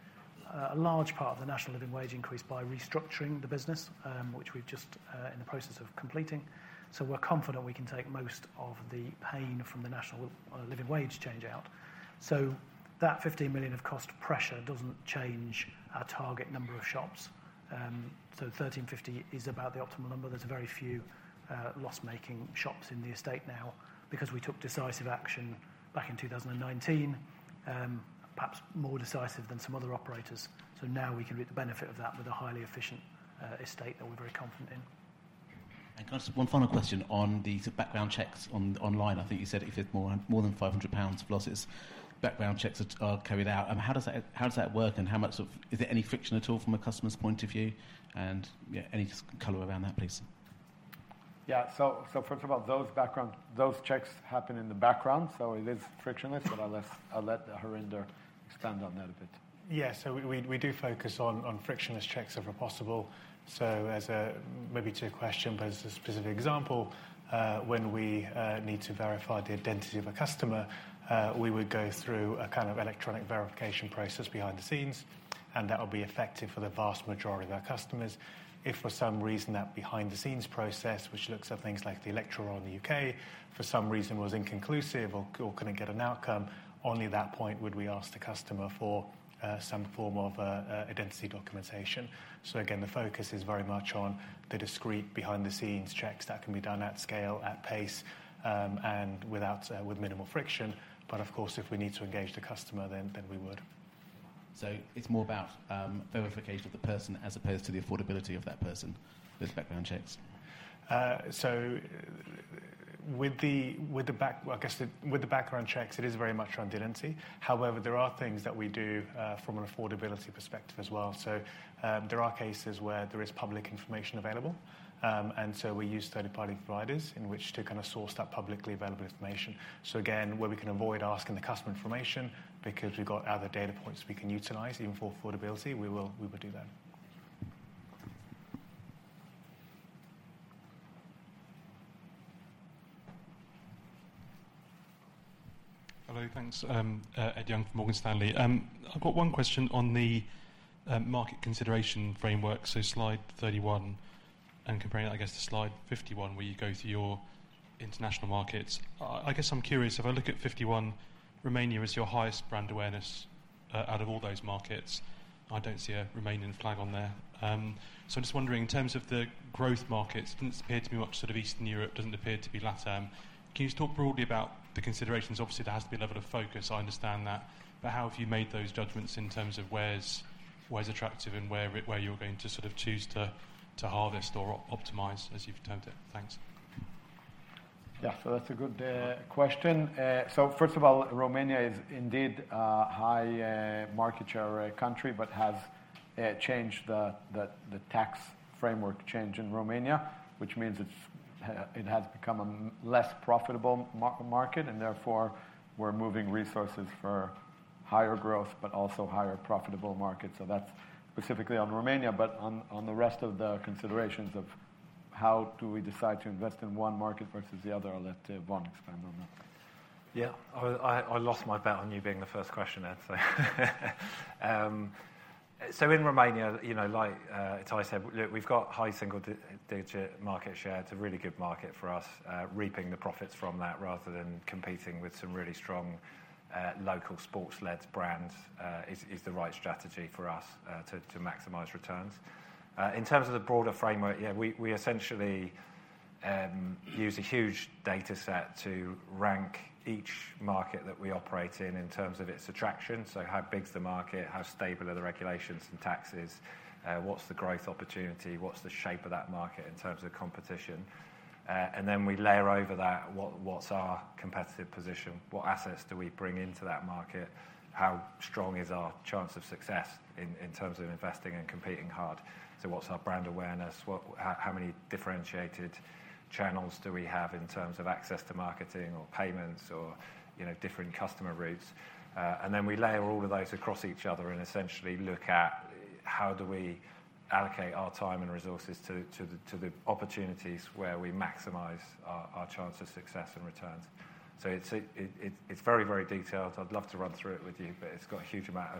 a large part of the National Living Wage increase by restructuring the business, which we're just in the process of completing. We're confident we can take most of the pain from the National Living Wage change out. That 15 million of cost pressure doesn't change our target number of shops. 1,350 is about the optimal number. There's very few loss-making shops in the estate now because we took decisive action back in 2019, perhaps more decisive than some other operators. Now we can reap the benefit of that with a highly efficient estate that we're very confident in. Can I ask one final question on the background checks on, online. I think you said if it's more than 500 pounds of losses, background checks are carried out. How does that work, and is there any friction at all from a customer's point of view, and, yeah, any just color around that, please? Yeah. First of all, those checks happen in the background, so it is frictionless. I'll let Harinder expand on that a bit. We do focus on frictionless checks if possible. As a maybe to your question, but as a specific example, when we need to verify the identity of a customer, we would go through a kind of electronic verification process behind the scenes, and that would be effective for the vast majority of our customers. If for some reason that behind-the-scenes process, which looks at things like the electoral roll in the U.K., for some reason, was inconclusive or couldn't get an outcome, only at that point would we ask the customer for some form of identity documentation. Again, the focus is very much on the discreet behind-the-scenes checks that can be done at scale, at pace, with minimal friction. Of course, if we need to engage the customer, then we would. It's more about verification of the person as opposed to the affordability of that person with background checks. Well, with the background checks, it is very much around diligence. However, there are things that we do from an affordability perspective as well. There are cases where there is public information available, and we use third-party providers in which to kind of source that publicly available information. Again, where we can avoid asking the customer information because we've got other data points we can utilize even for affordability, we will do that. Hello. Thanks. Ed Young from Morgan Stanley. I've got one question on the market consideration framework, slide 31, comparing that, I guess, to slide 51, where you go through your international markets. I guess I'm curious, if I look at 51, Romania is your highest brand awareness out of all those markets. I don't see a Romanian flag on there. I'm just wondering, in terms of the growth markets, doesn't appear to be much sort of Eastern Europe, doesn't appear to be LatAm. Can you just talk broadly about the considerations? Obviously, there has to be a level of focus, I understand that. How have you made those judgments in terms of where's attractive and where you're going to sort of choose to harvest or optimize, as you've termed it? Thanks. That's a good question. First of all, Romania is indeed a high market share country but has changed the tax framework change in Romania, which means it has become a less profitable market. Therefore, we're moving resources for higher growth but also higher profitable markets. That's specifically on Romania, but on the rest of the considerations of how do we decide to invest in one market versus the other, I'll let Vaughan expand on that. I lost my bet on you being the first question, Ed. In Romania, you know, like Itai said, look, we've got high single digit market share. It's a really good market for us. Reaping the profits from that rather than competing with some really strong local sports-led brands is the right strategy for us to maximize returns. In terms of the broader framework, we essentially use a huge dataset to rank each market that we operate in in terms of its attraction. How big is the market? How stable are the regulations and taxes? What's the growth opportunity? What's the shape of that market in terms of competition? Then we layer over that, what's our competitive position? What assets do we bring into that market? How strong is our chance of success in terms of investing and competing hard? What's our brand awareness? How many differentiated channels do we have in terms of access to marketing or payments or, you know, different customer routes? We layer all of those across each other and essentially look at how do we allocate our time and resources to the opportunities where we maximize our chance of success and returns. It's very detailed. I'd love to run through it with you, but it's got a huge amount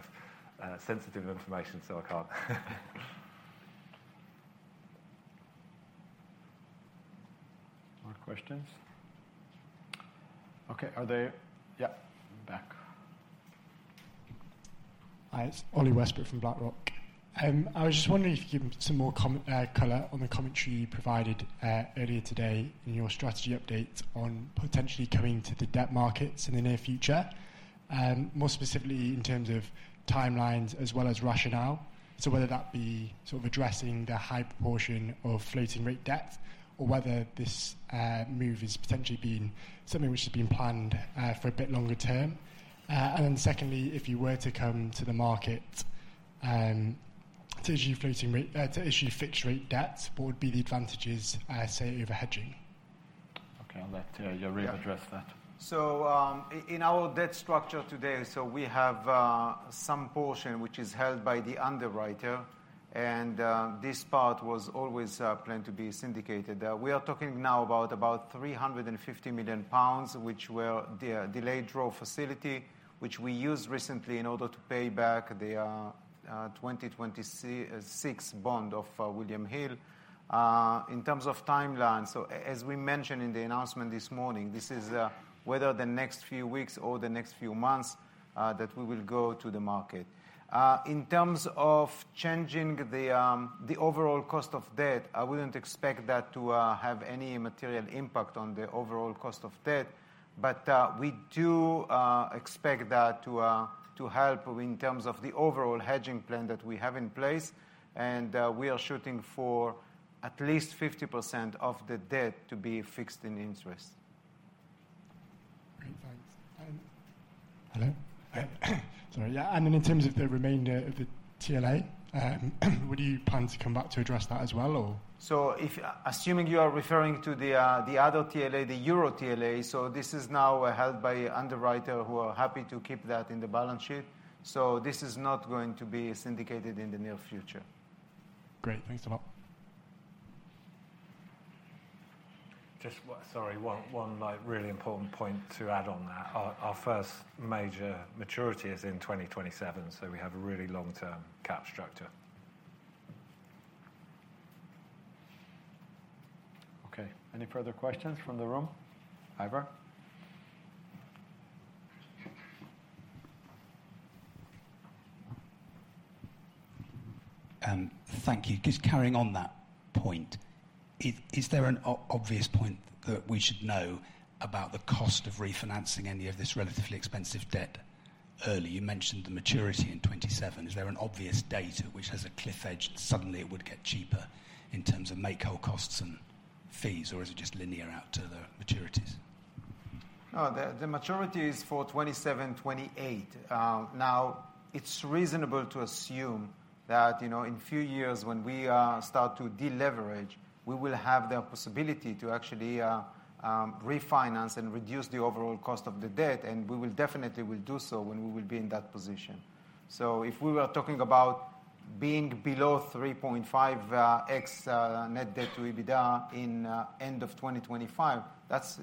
of sensitive information, so I can't. More questions? Okay. Are they... Yeah. In the back. Hi. It's Oli Westbrook from BlackRock. I was just wondering if you could give some more comment, color on the commentary you provided earlier today in your strategy update on potentially coming to the debt markets in the near future, more specifically in terms of timelines as well as rationale. Whether that be sort of addressing the high proportion of floating rate debt or whether this move is potentially been something which has been planned for a bit longer term. Secondly, if you were to come to the market, to issue fixed rate debt, what would be the advantages, say over hedging? I'll let Yariv address that. In our debt structure today, we have some portion which is held by the underwriter, this part was always planned to be syndicated. We are talking now about 350 million pounds, which were the delayed draw facility, which we used recently in order to pay back the 2026 bond of William Hill. In terms of timeline, as we mentioned in the announcement this morning, this is whether the next few weeks or the next few months that we will go to the market. In terms of changing the overall cost of debt, I wouldn't expect that to have any material impact on the overall cost of debt. We do expect that to help in terms of the overall hedging plan that we have in place, and we are shooting for at least 50% of the debt to be fixed in interest. Hello. Sorry. In terms of the remainder of the TLA, would you plan to come back to address that as well or? If, assuming you are referring to the other TLA, the Euro TLA, this is now held by underwriter who are happy to keep that in the balance sheet. This is not going to be syndicated in the near future. Great. Thanks a lot. Just one. Sorry. One, like, really important point to add on that. Our first major maturity is in 2027. We have a really long-term cap structure. Okay. Any further questions from the room? Ivor? Thank you. Just carrying on that point, is there an obvious point that we should know about the cost of refinancing any of this relatively expensive debt early? You mentioned the maturity in 2027. Is there an obvious date at which there's a cliff edge, suddenly it would get cheaper in terms of make-whole costs and fees, or is it just linear out to the maturities? No. The maturity is for 2027, 2028. Now, it's reasonable to assume that, you know, in few years when we start to deleverage, we will have the possibility to actually refinance and reduce the overall cost of the debt, and we will definitely will do so when we will be in that position. If we were talking about being below 3.5x net debt to EBITDA in end of 2025, that's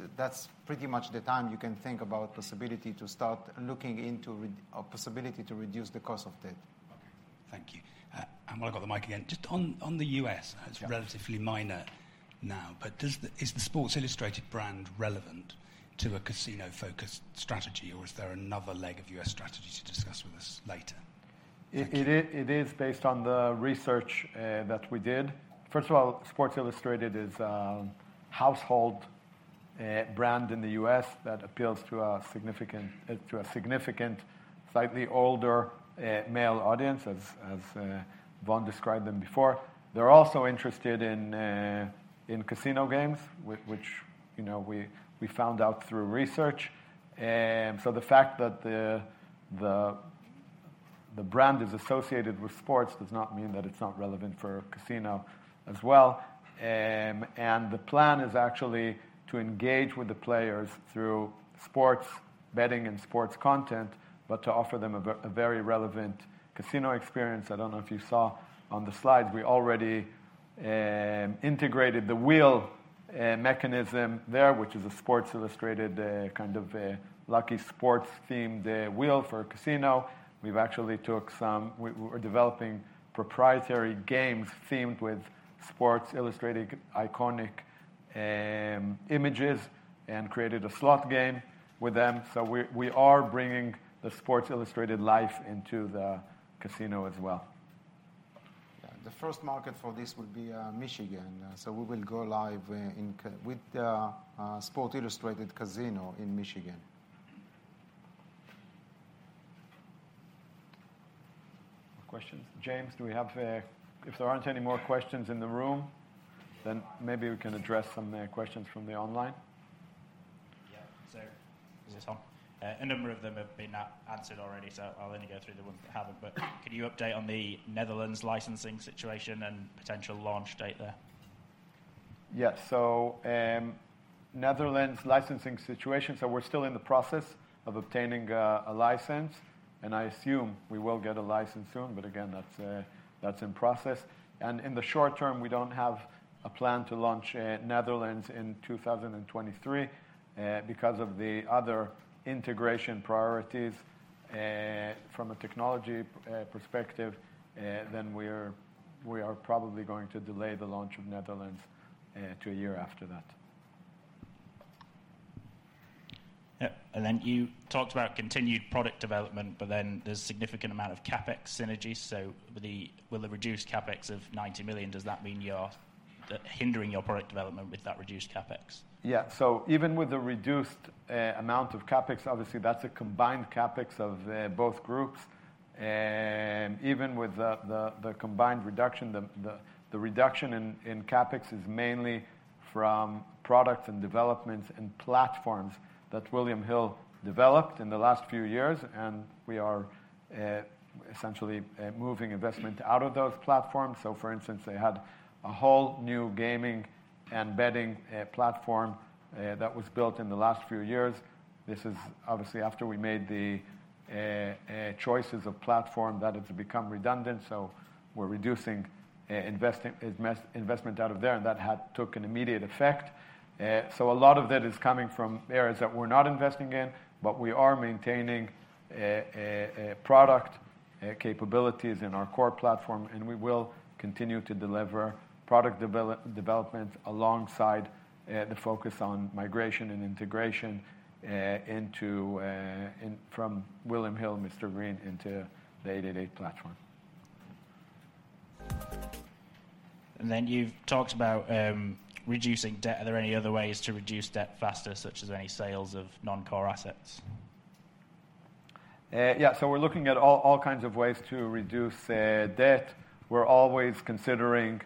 pretty much the time you can think about possibility to start looking into or possibility to reduce the cost of debt. Okay. Thank you. While I've got the mic again, just on the U.S.- Yeah. It's relatively minor now, but is the Sports Illustrated brand relevant to a casino-focused strategy, or is there another leg of U.S. strategy to discuss with us later? Thank you. It is based on the research that we did. First of all, Sports Illustrated is household brand in the US that appeals to a significant, to a significant, slightly older male audience, as Vaughan described them before. They're also interested in casino games which, you know, we found out through research. So the fact that the brand is associated with sports does not mean that it's not relevant for casino as well. The plan is actually to engage with the players through sports betting and sports content, but to offer them a very relevant casino experience. I don't know if you saw on the slides, we already integrated the wheel mechanism there, which is a Sports Illustrated kind of a lucky sports-themed wheel for casino. We're developing proprietary games themed with Sports Illustrated iconic images and created a slot game with them. We are bringing the Sports Illustrated life into the casino as well. Yeah. The first market for this will be Michigan. We will go live with the Sports Illustrated Casino in Michigan. More questions? James, do we have If there aren't any more questions in the room, maybe we can address some questions from the online. Yeah. Is this on? A number of them have been answered already. I'll only go through the ones that haven't. Could you update on the Netherlands licensing situation and potential launch date there? Netherlands licensing situation, we're still in the process of obtaining a license, and I assume we will get a license soon. Again, that's in process. In the short term, we don't have a plan to launch Netherlands in 2023, because of the other integration priorities from a technology perspective, we are probably going to delay the launch of Netherlands to a year after that. Yeah. You talked about continued product development, but then there's significant amount of CapEx synergies. Will the reduced CapEx of 90 million, does that mean you're hindering your product development with that reduced CapEx? Yeah. Even with the reduced amount of CapEx, obviously that's a combined CapEx of both groups. Even with the combined reduction, the reduction in CapEx is mainly from products, developments, and platforms that William Hill developed in the last few years, and we are essentially moving investment out of those platforms. For instance, they had a whole new gaming and betting platform that was built in the last few years. This is obviously after we made the choices of platform that it's become redundant, so we're reducing investment out of there, and that had took an immediate effect. A lot of that is coming from areas that we're not investing in, but we are maintaining product capabilities in our core platform, and we will continue to deliver product development alongside the focus on migration and integration from William Hill and Mr Green into the 888 platform. You've talked about reducing debt. Are there any other ways to reduce debt faster, such as any sales of non-core assets? Yeah, we're looking at all kinds of ways to reduce debt. We're always considering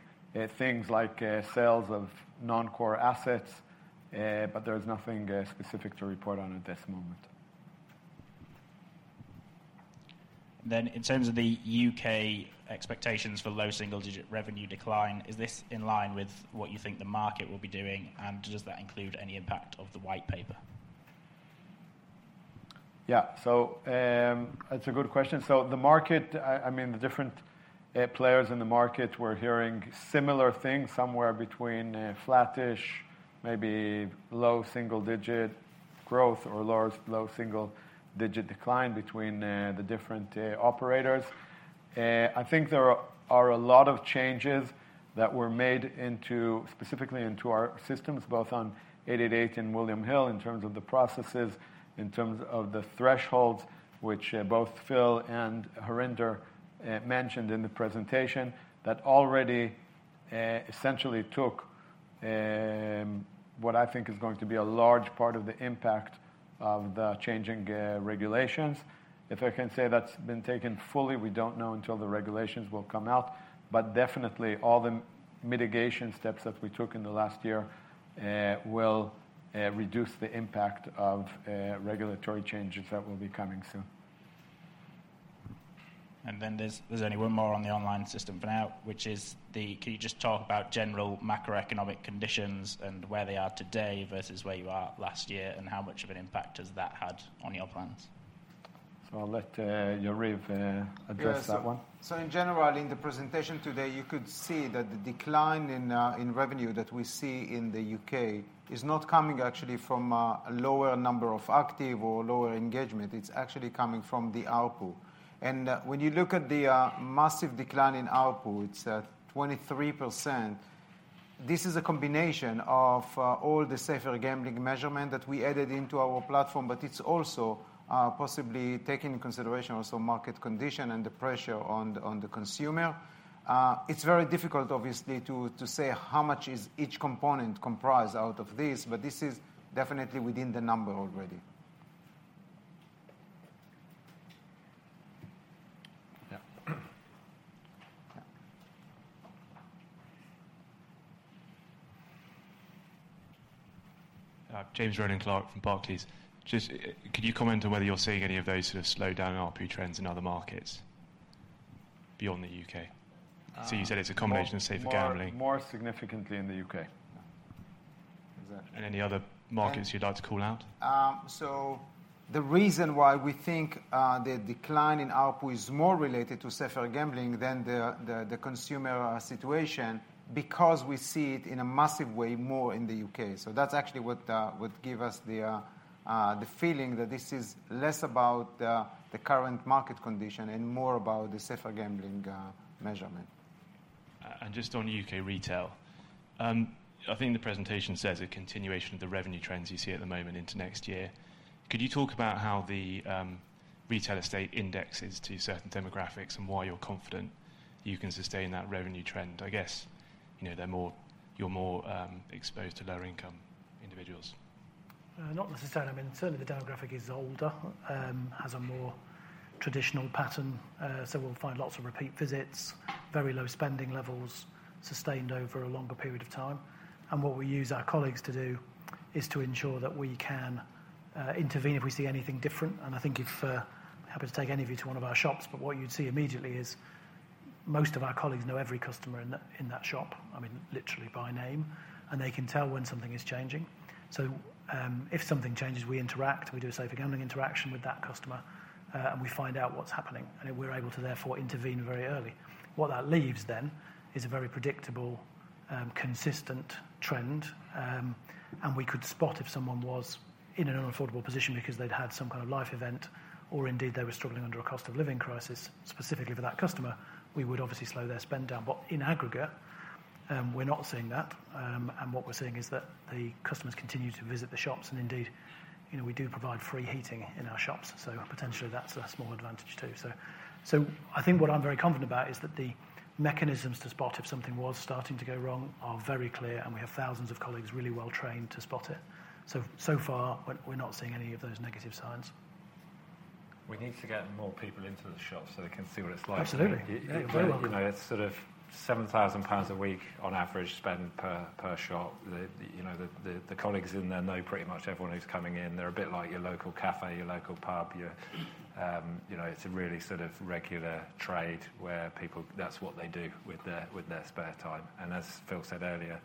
things like sales of non-core assets, but there's nothing specific to report on at this moment. In terms of the U.K. expectations for low single-digit revenue decline, is this in line with what you think the market will be doing, and does that include any impact of the white paper? That's a good question. The market, I mean, the different players in the market, we're hearing similar things, somewhere between flat-ish, maybe low single-digit growth or low single-digit decline between the different operators. I think there are a lot of changes that were made into specifically into our systems, both on 888 and William Hill, in terms of the processes, in terms of the thresholds, which both Phil and Harinder mentioned in the presentation, that already essentially took what I think is going to be a large part of the impact of the changing regulations. If I can say that's been taken fully, we don't know until the regulations will come out. Definitely all the mitigation steps that we took in the last year, will reduce the impact of regulatory changes that will be coming soon. There's only one more on the online system for now, which is can you just talk about general macroeconomic conditions and where they are today versus where you are last year, and how much of an impact has that had on your plans? I'll let Yariv address that one. In general, in the presentation today, you could see that the decline in revenue that we see in the U.K. is not coming actually from a lower number of active or lower engagement, it's actually coming from the output. When you look at the massive decline in output, it's at 23%. This is a combination of all the safer gambling measurement that we added into our platform, it's also possibly taking in consideration also market condition and the pressure on the consumer. It's very difficult obviously to say how much is each component comprised out of this, but this is definitely within the number already. Yeah. Yeah. James Rowland Clark from Barclays. Just, could you comment on whether you're seeing any of those sort of slowdown ARPU trends in other markets beyond the U.K.? Um- You said it's a combination of safer gambling. More significantly in the U.K. Any other markets you'd like to call out? The reason why we think the decline in output is more related to safer gambling than the consumer situation, because we see it in a massive way more in the U.K. That's actually what give us the feeling that this is less about the current market condition and more about the safer gambling measurement. Just on U.K. retail, I think the presentation says a continuation of the revenue trends you see at the moment into next year. Could you talk about how the retail estate indexes to certain demographics and why you're confident you can sustain that revenue trend? I guess, you know, you're more exposed to lower income individuals. Not necessarily. I mean, certainly the demographic is older, has a more traditional pattern. We'll find lots of repeat visits, very low spending levels sustained over a longer period of time. What we use our colleagues to do is to ensure that we can intervene if we see anything different. I think if happy to take any of you to one of our shops, but what you'd see immediately is most of our colleagues know every customer in that shop, I mean, literally by name, and they can tell when something is changing. If something changes, we interact, we do a safer gambling interaction with that customer, and we find out what's happening, and we're able to therefore intervene very early. What that leaves then is a very predictable, consistent trend. We could spot if someone was in an unaffordable position because they'd had some kind of life event or indeed they were struggling under a cost of living crisis specifically for that customer, we would obviously slow their spend down. In aggregate, we're not seeing that. What we're seeing is that the customers continue to visit the shops and indeed, you know, we do provide free heating in our shops. Potentially that's a small advantage too. I think what I'm very confident about is that the mechanisms to spot if something was starting to go wrong are very clear, and we have thousands of colleagues really well trained to spot it. So far, we're not seeing any of those negative signs. We need to get more people into the shops so they can see what it's like. Absolutely. Yeah. Very well. You know, it's sort of 7,000 pounds a week on average spend per shop. The, you know, the colleagues in there know pretty much everyone who's coming in. They're a bit like your local cafe, your local pub, your, you know, it's a really sort of regular trade where people, that's what they do with their spare time. As Phil said earlier,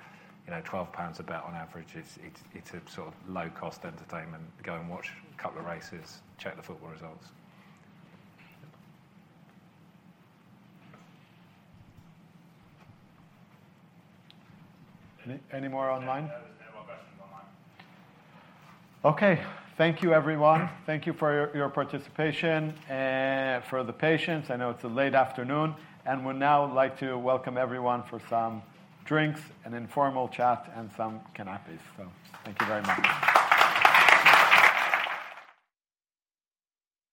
you know, 12 pounds a bet on average it's a sort of low cost entertainment. Go and watch a couple of races, check the football results. Any more online? There was one more question online. Okay. Thank you everyone. Thank you for your participation, for the patience. I know it's a late afternoon and would now like to welcome everyone for some drinks and informal chat and some canapes. Thank you very much.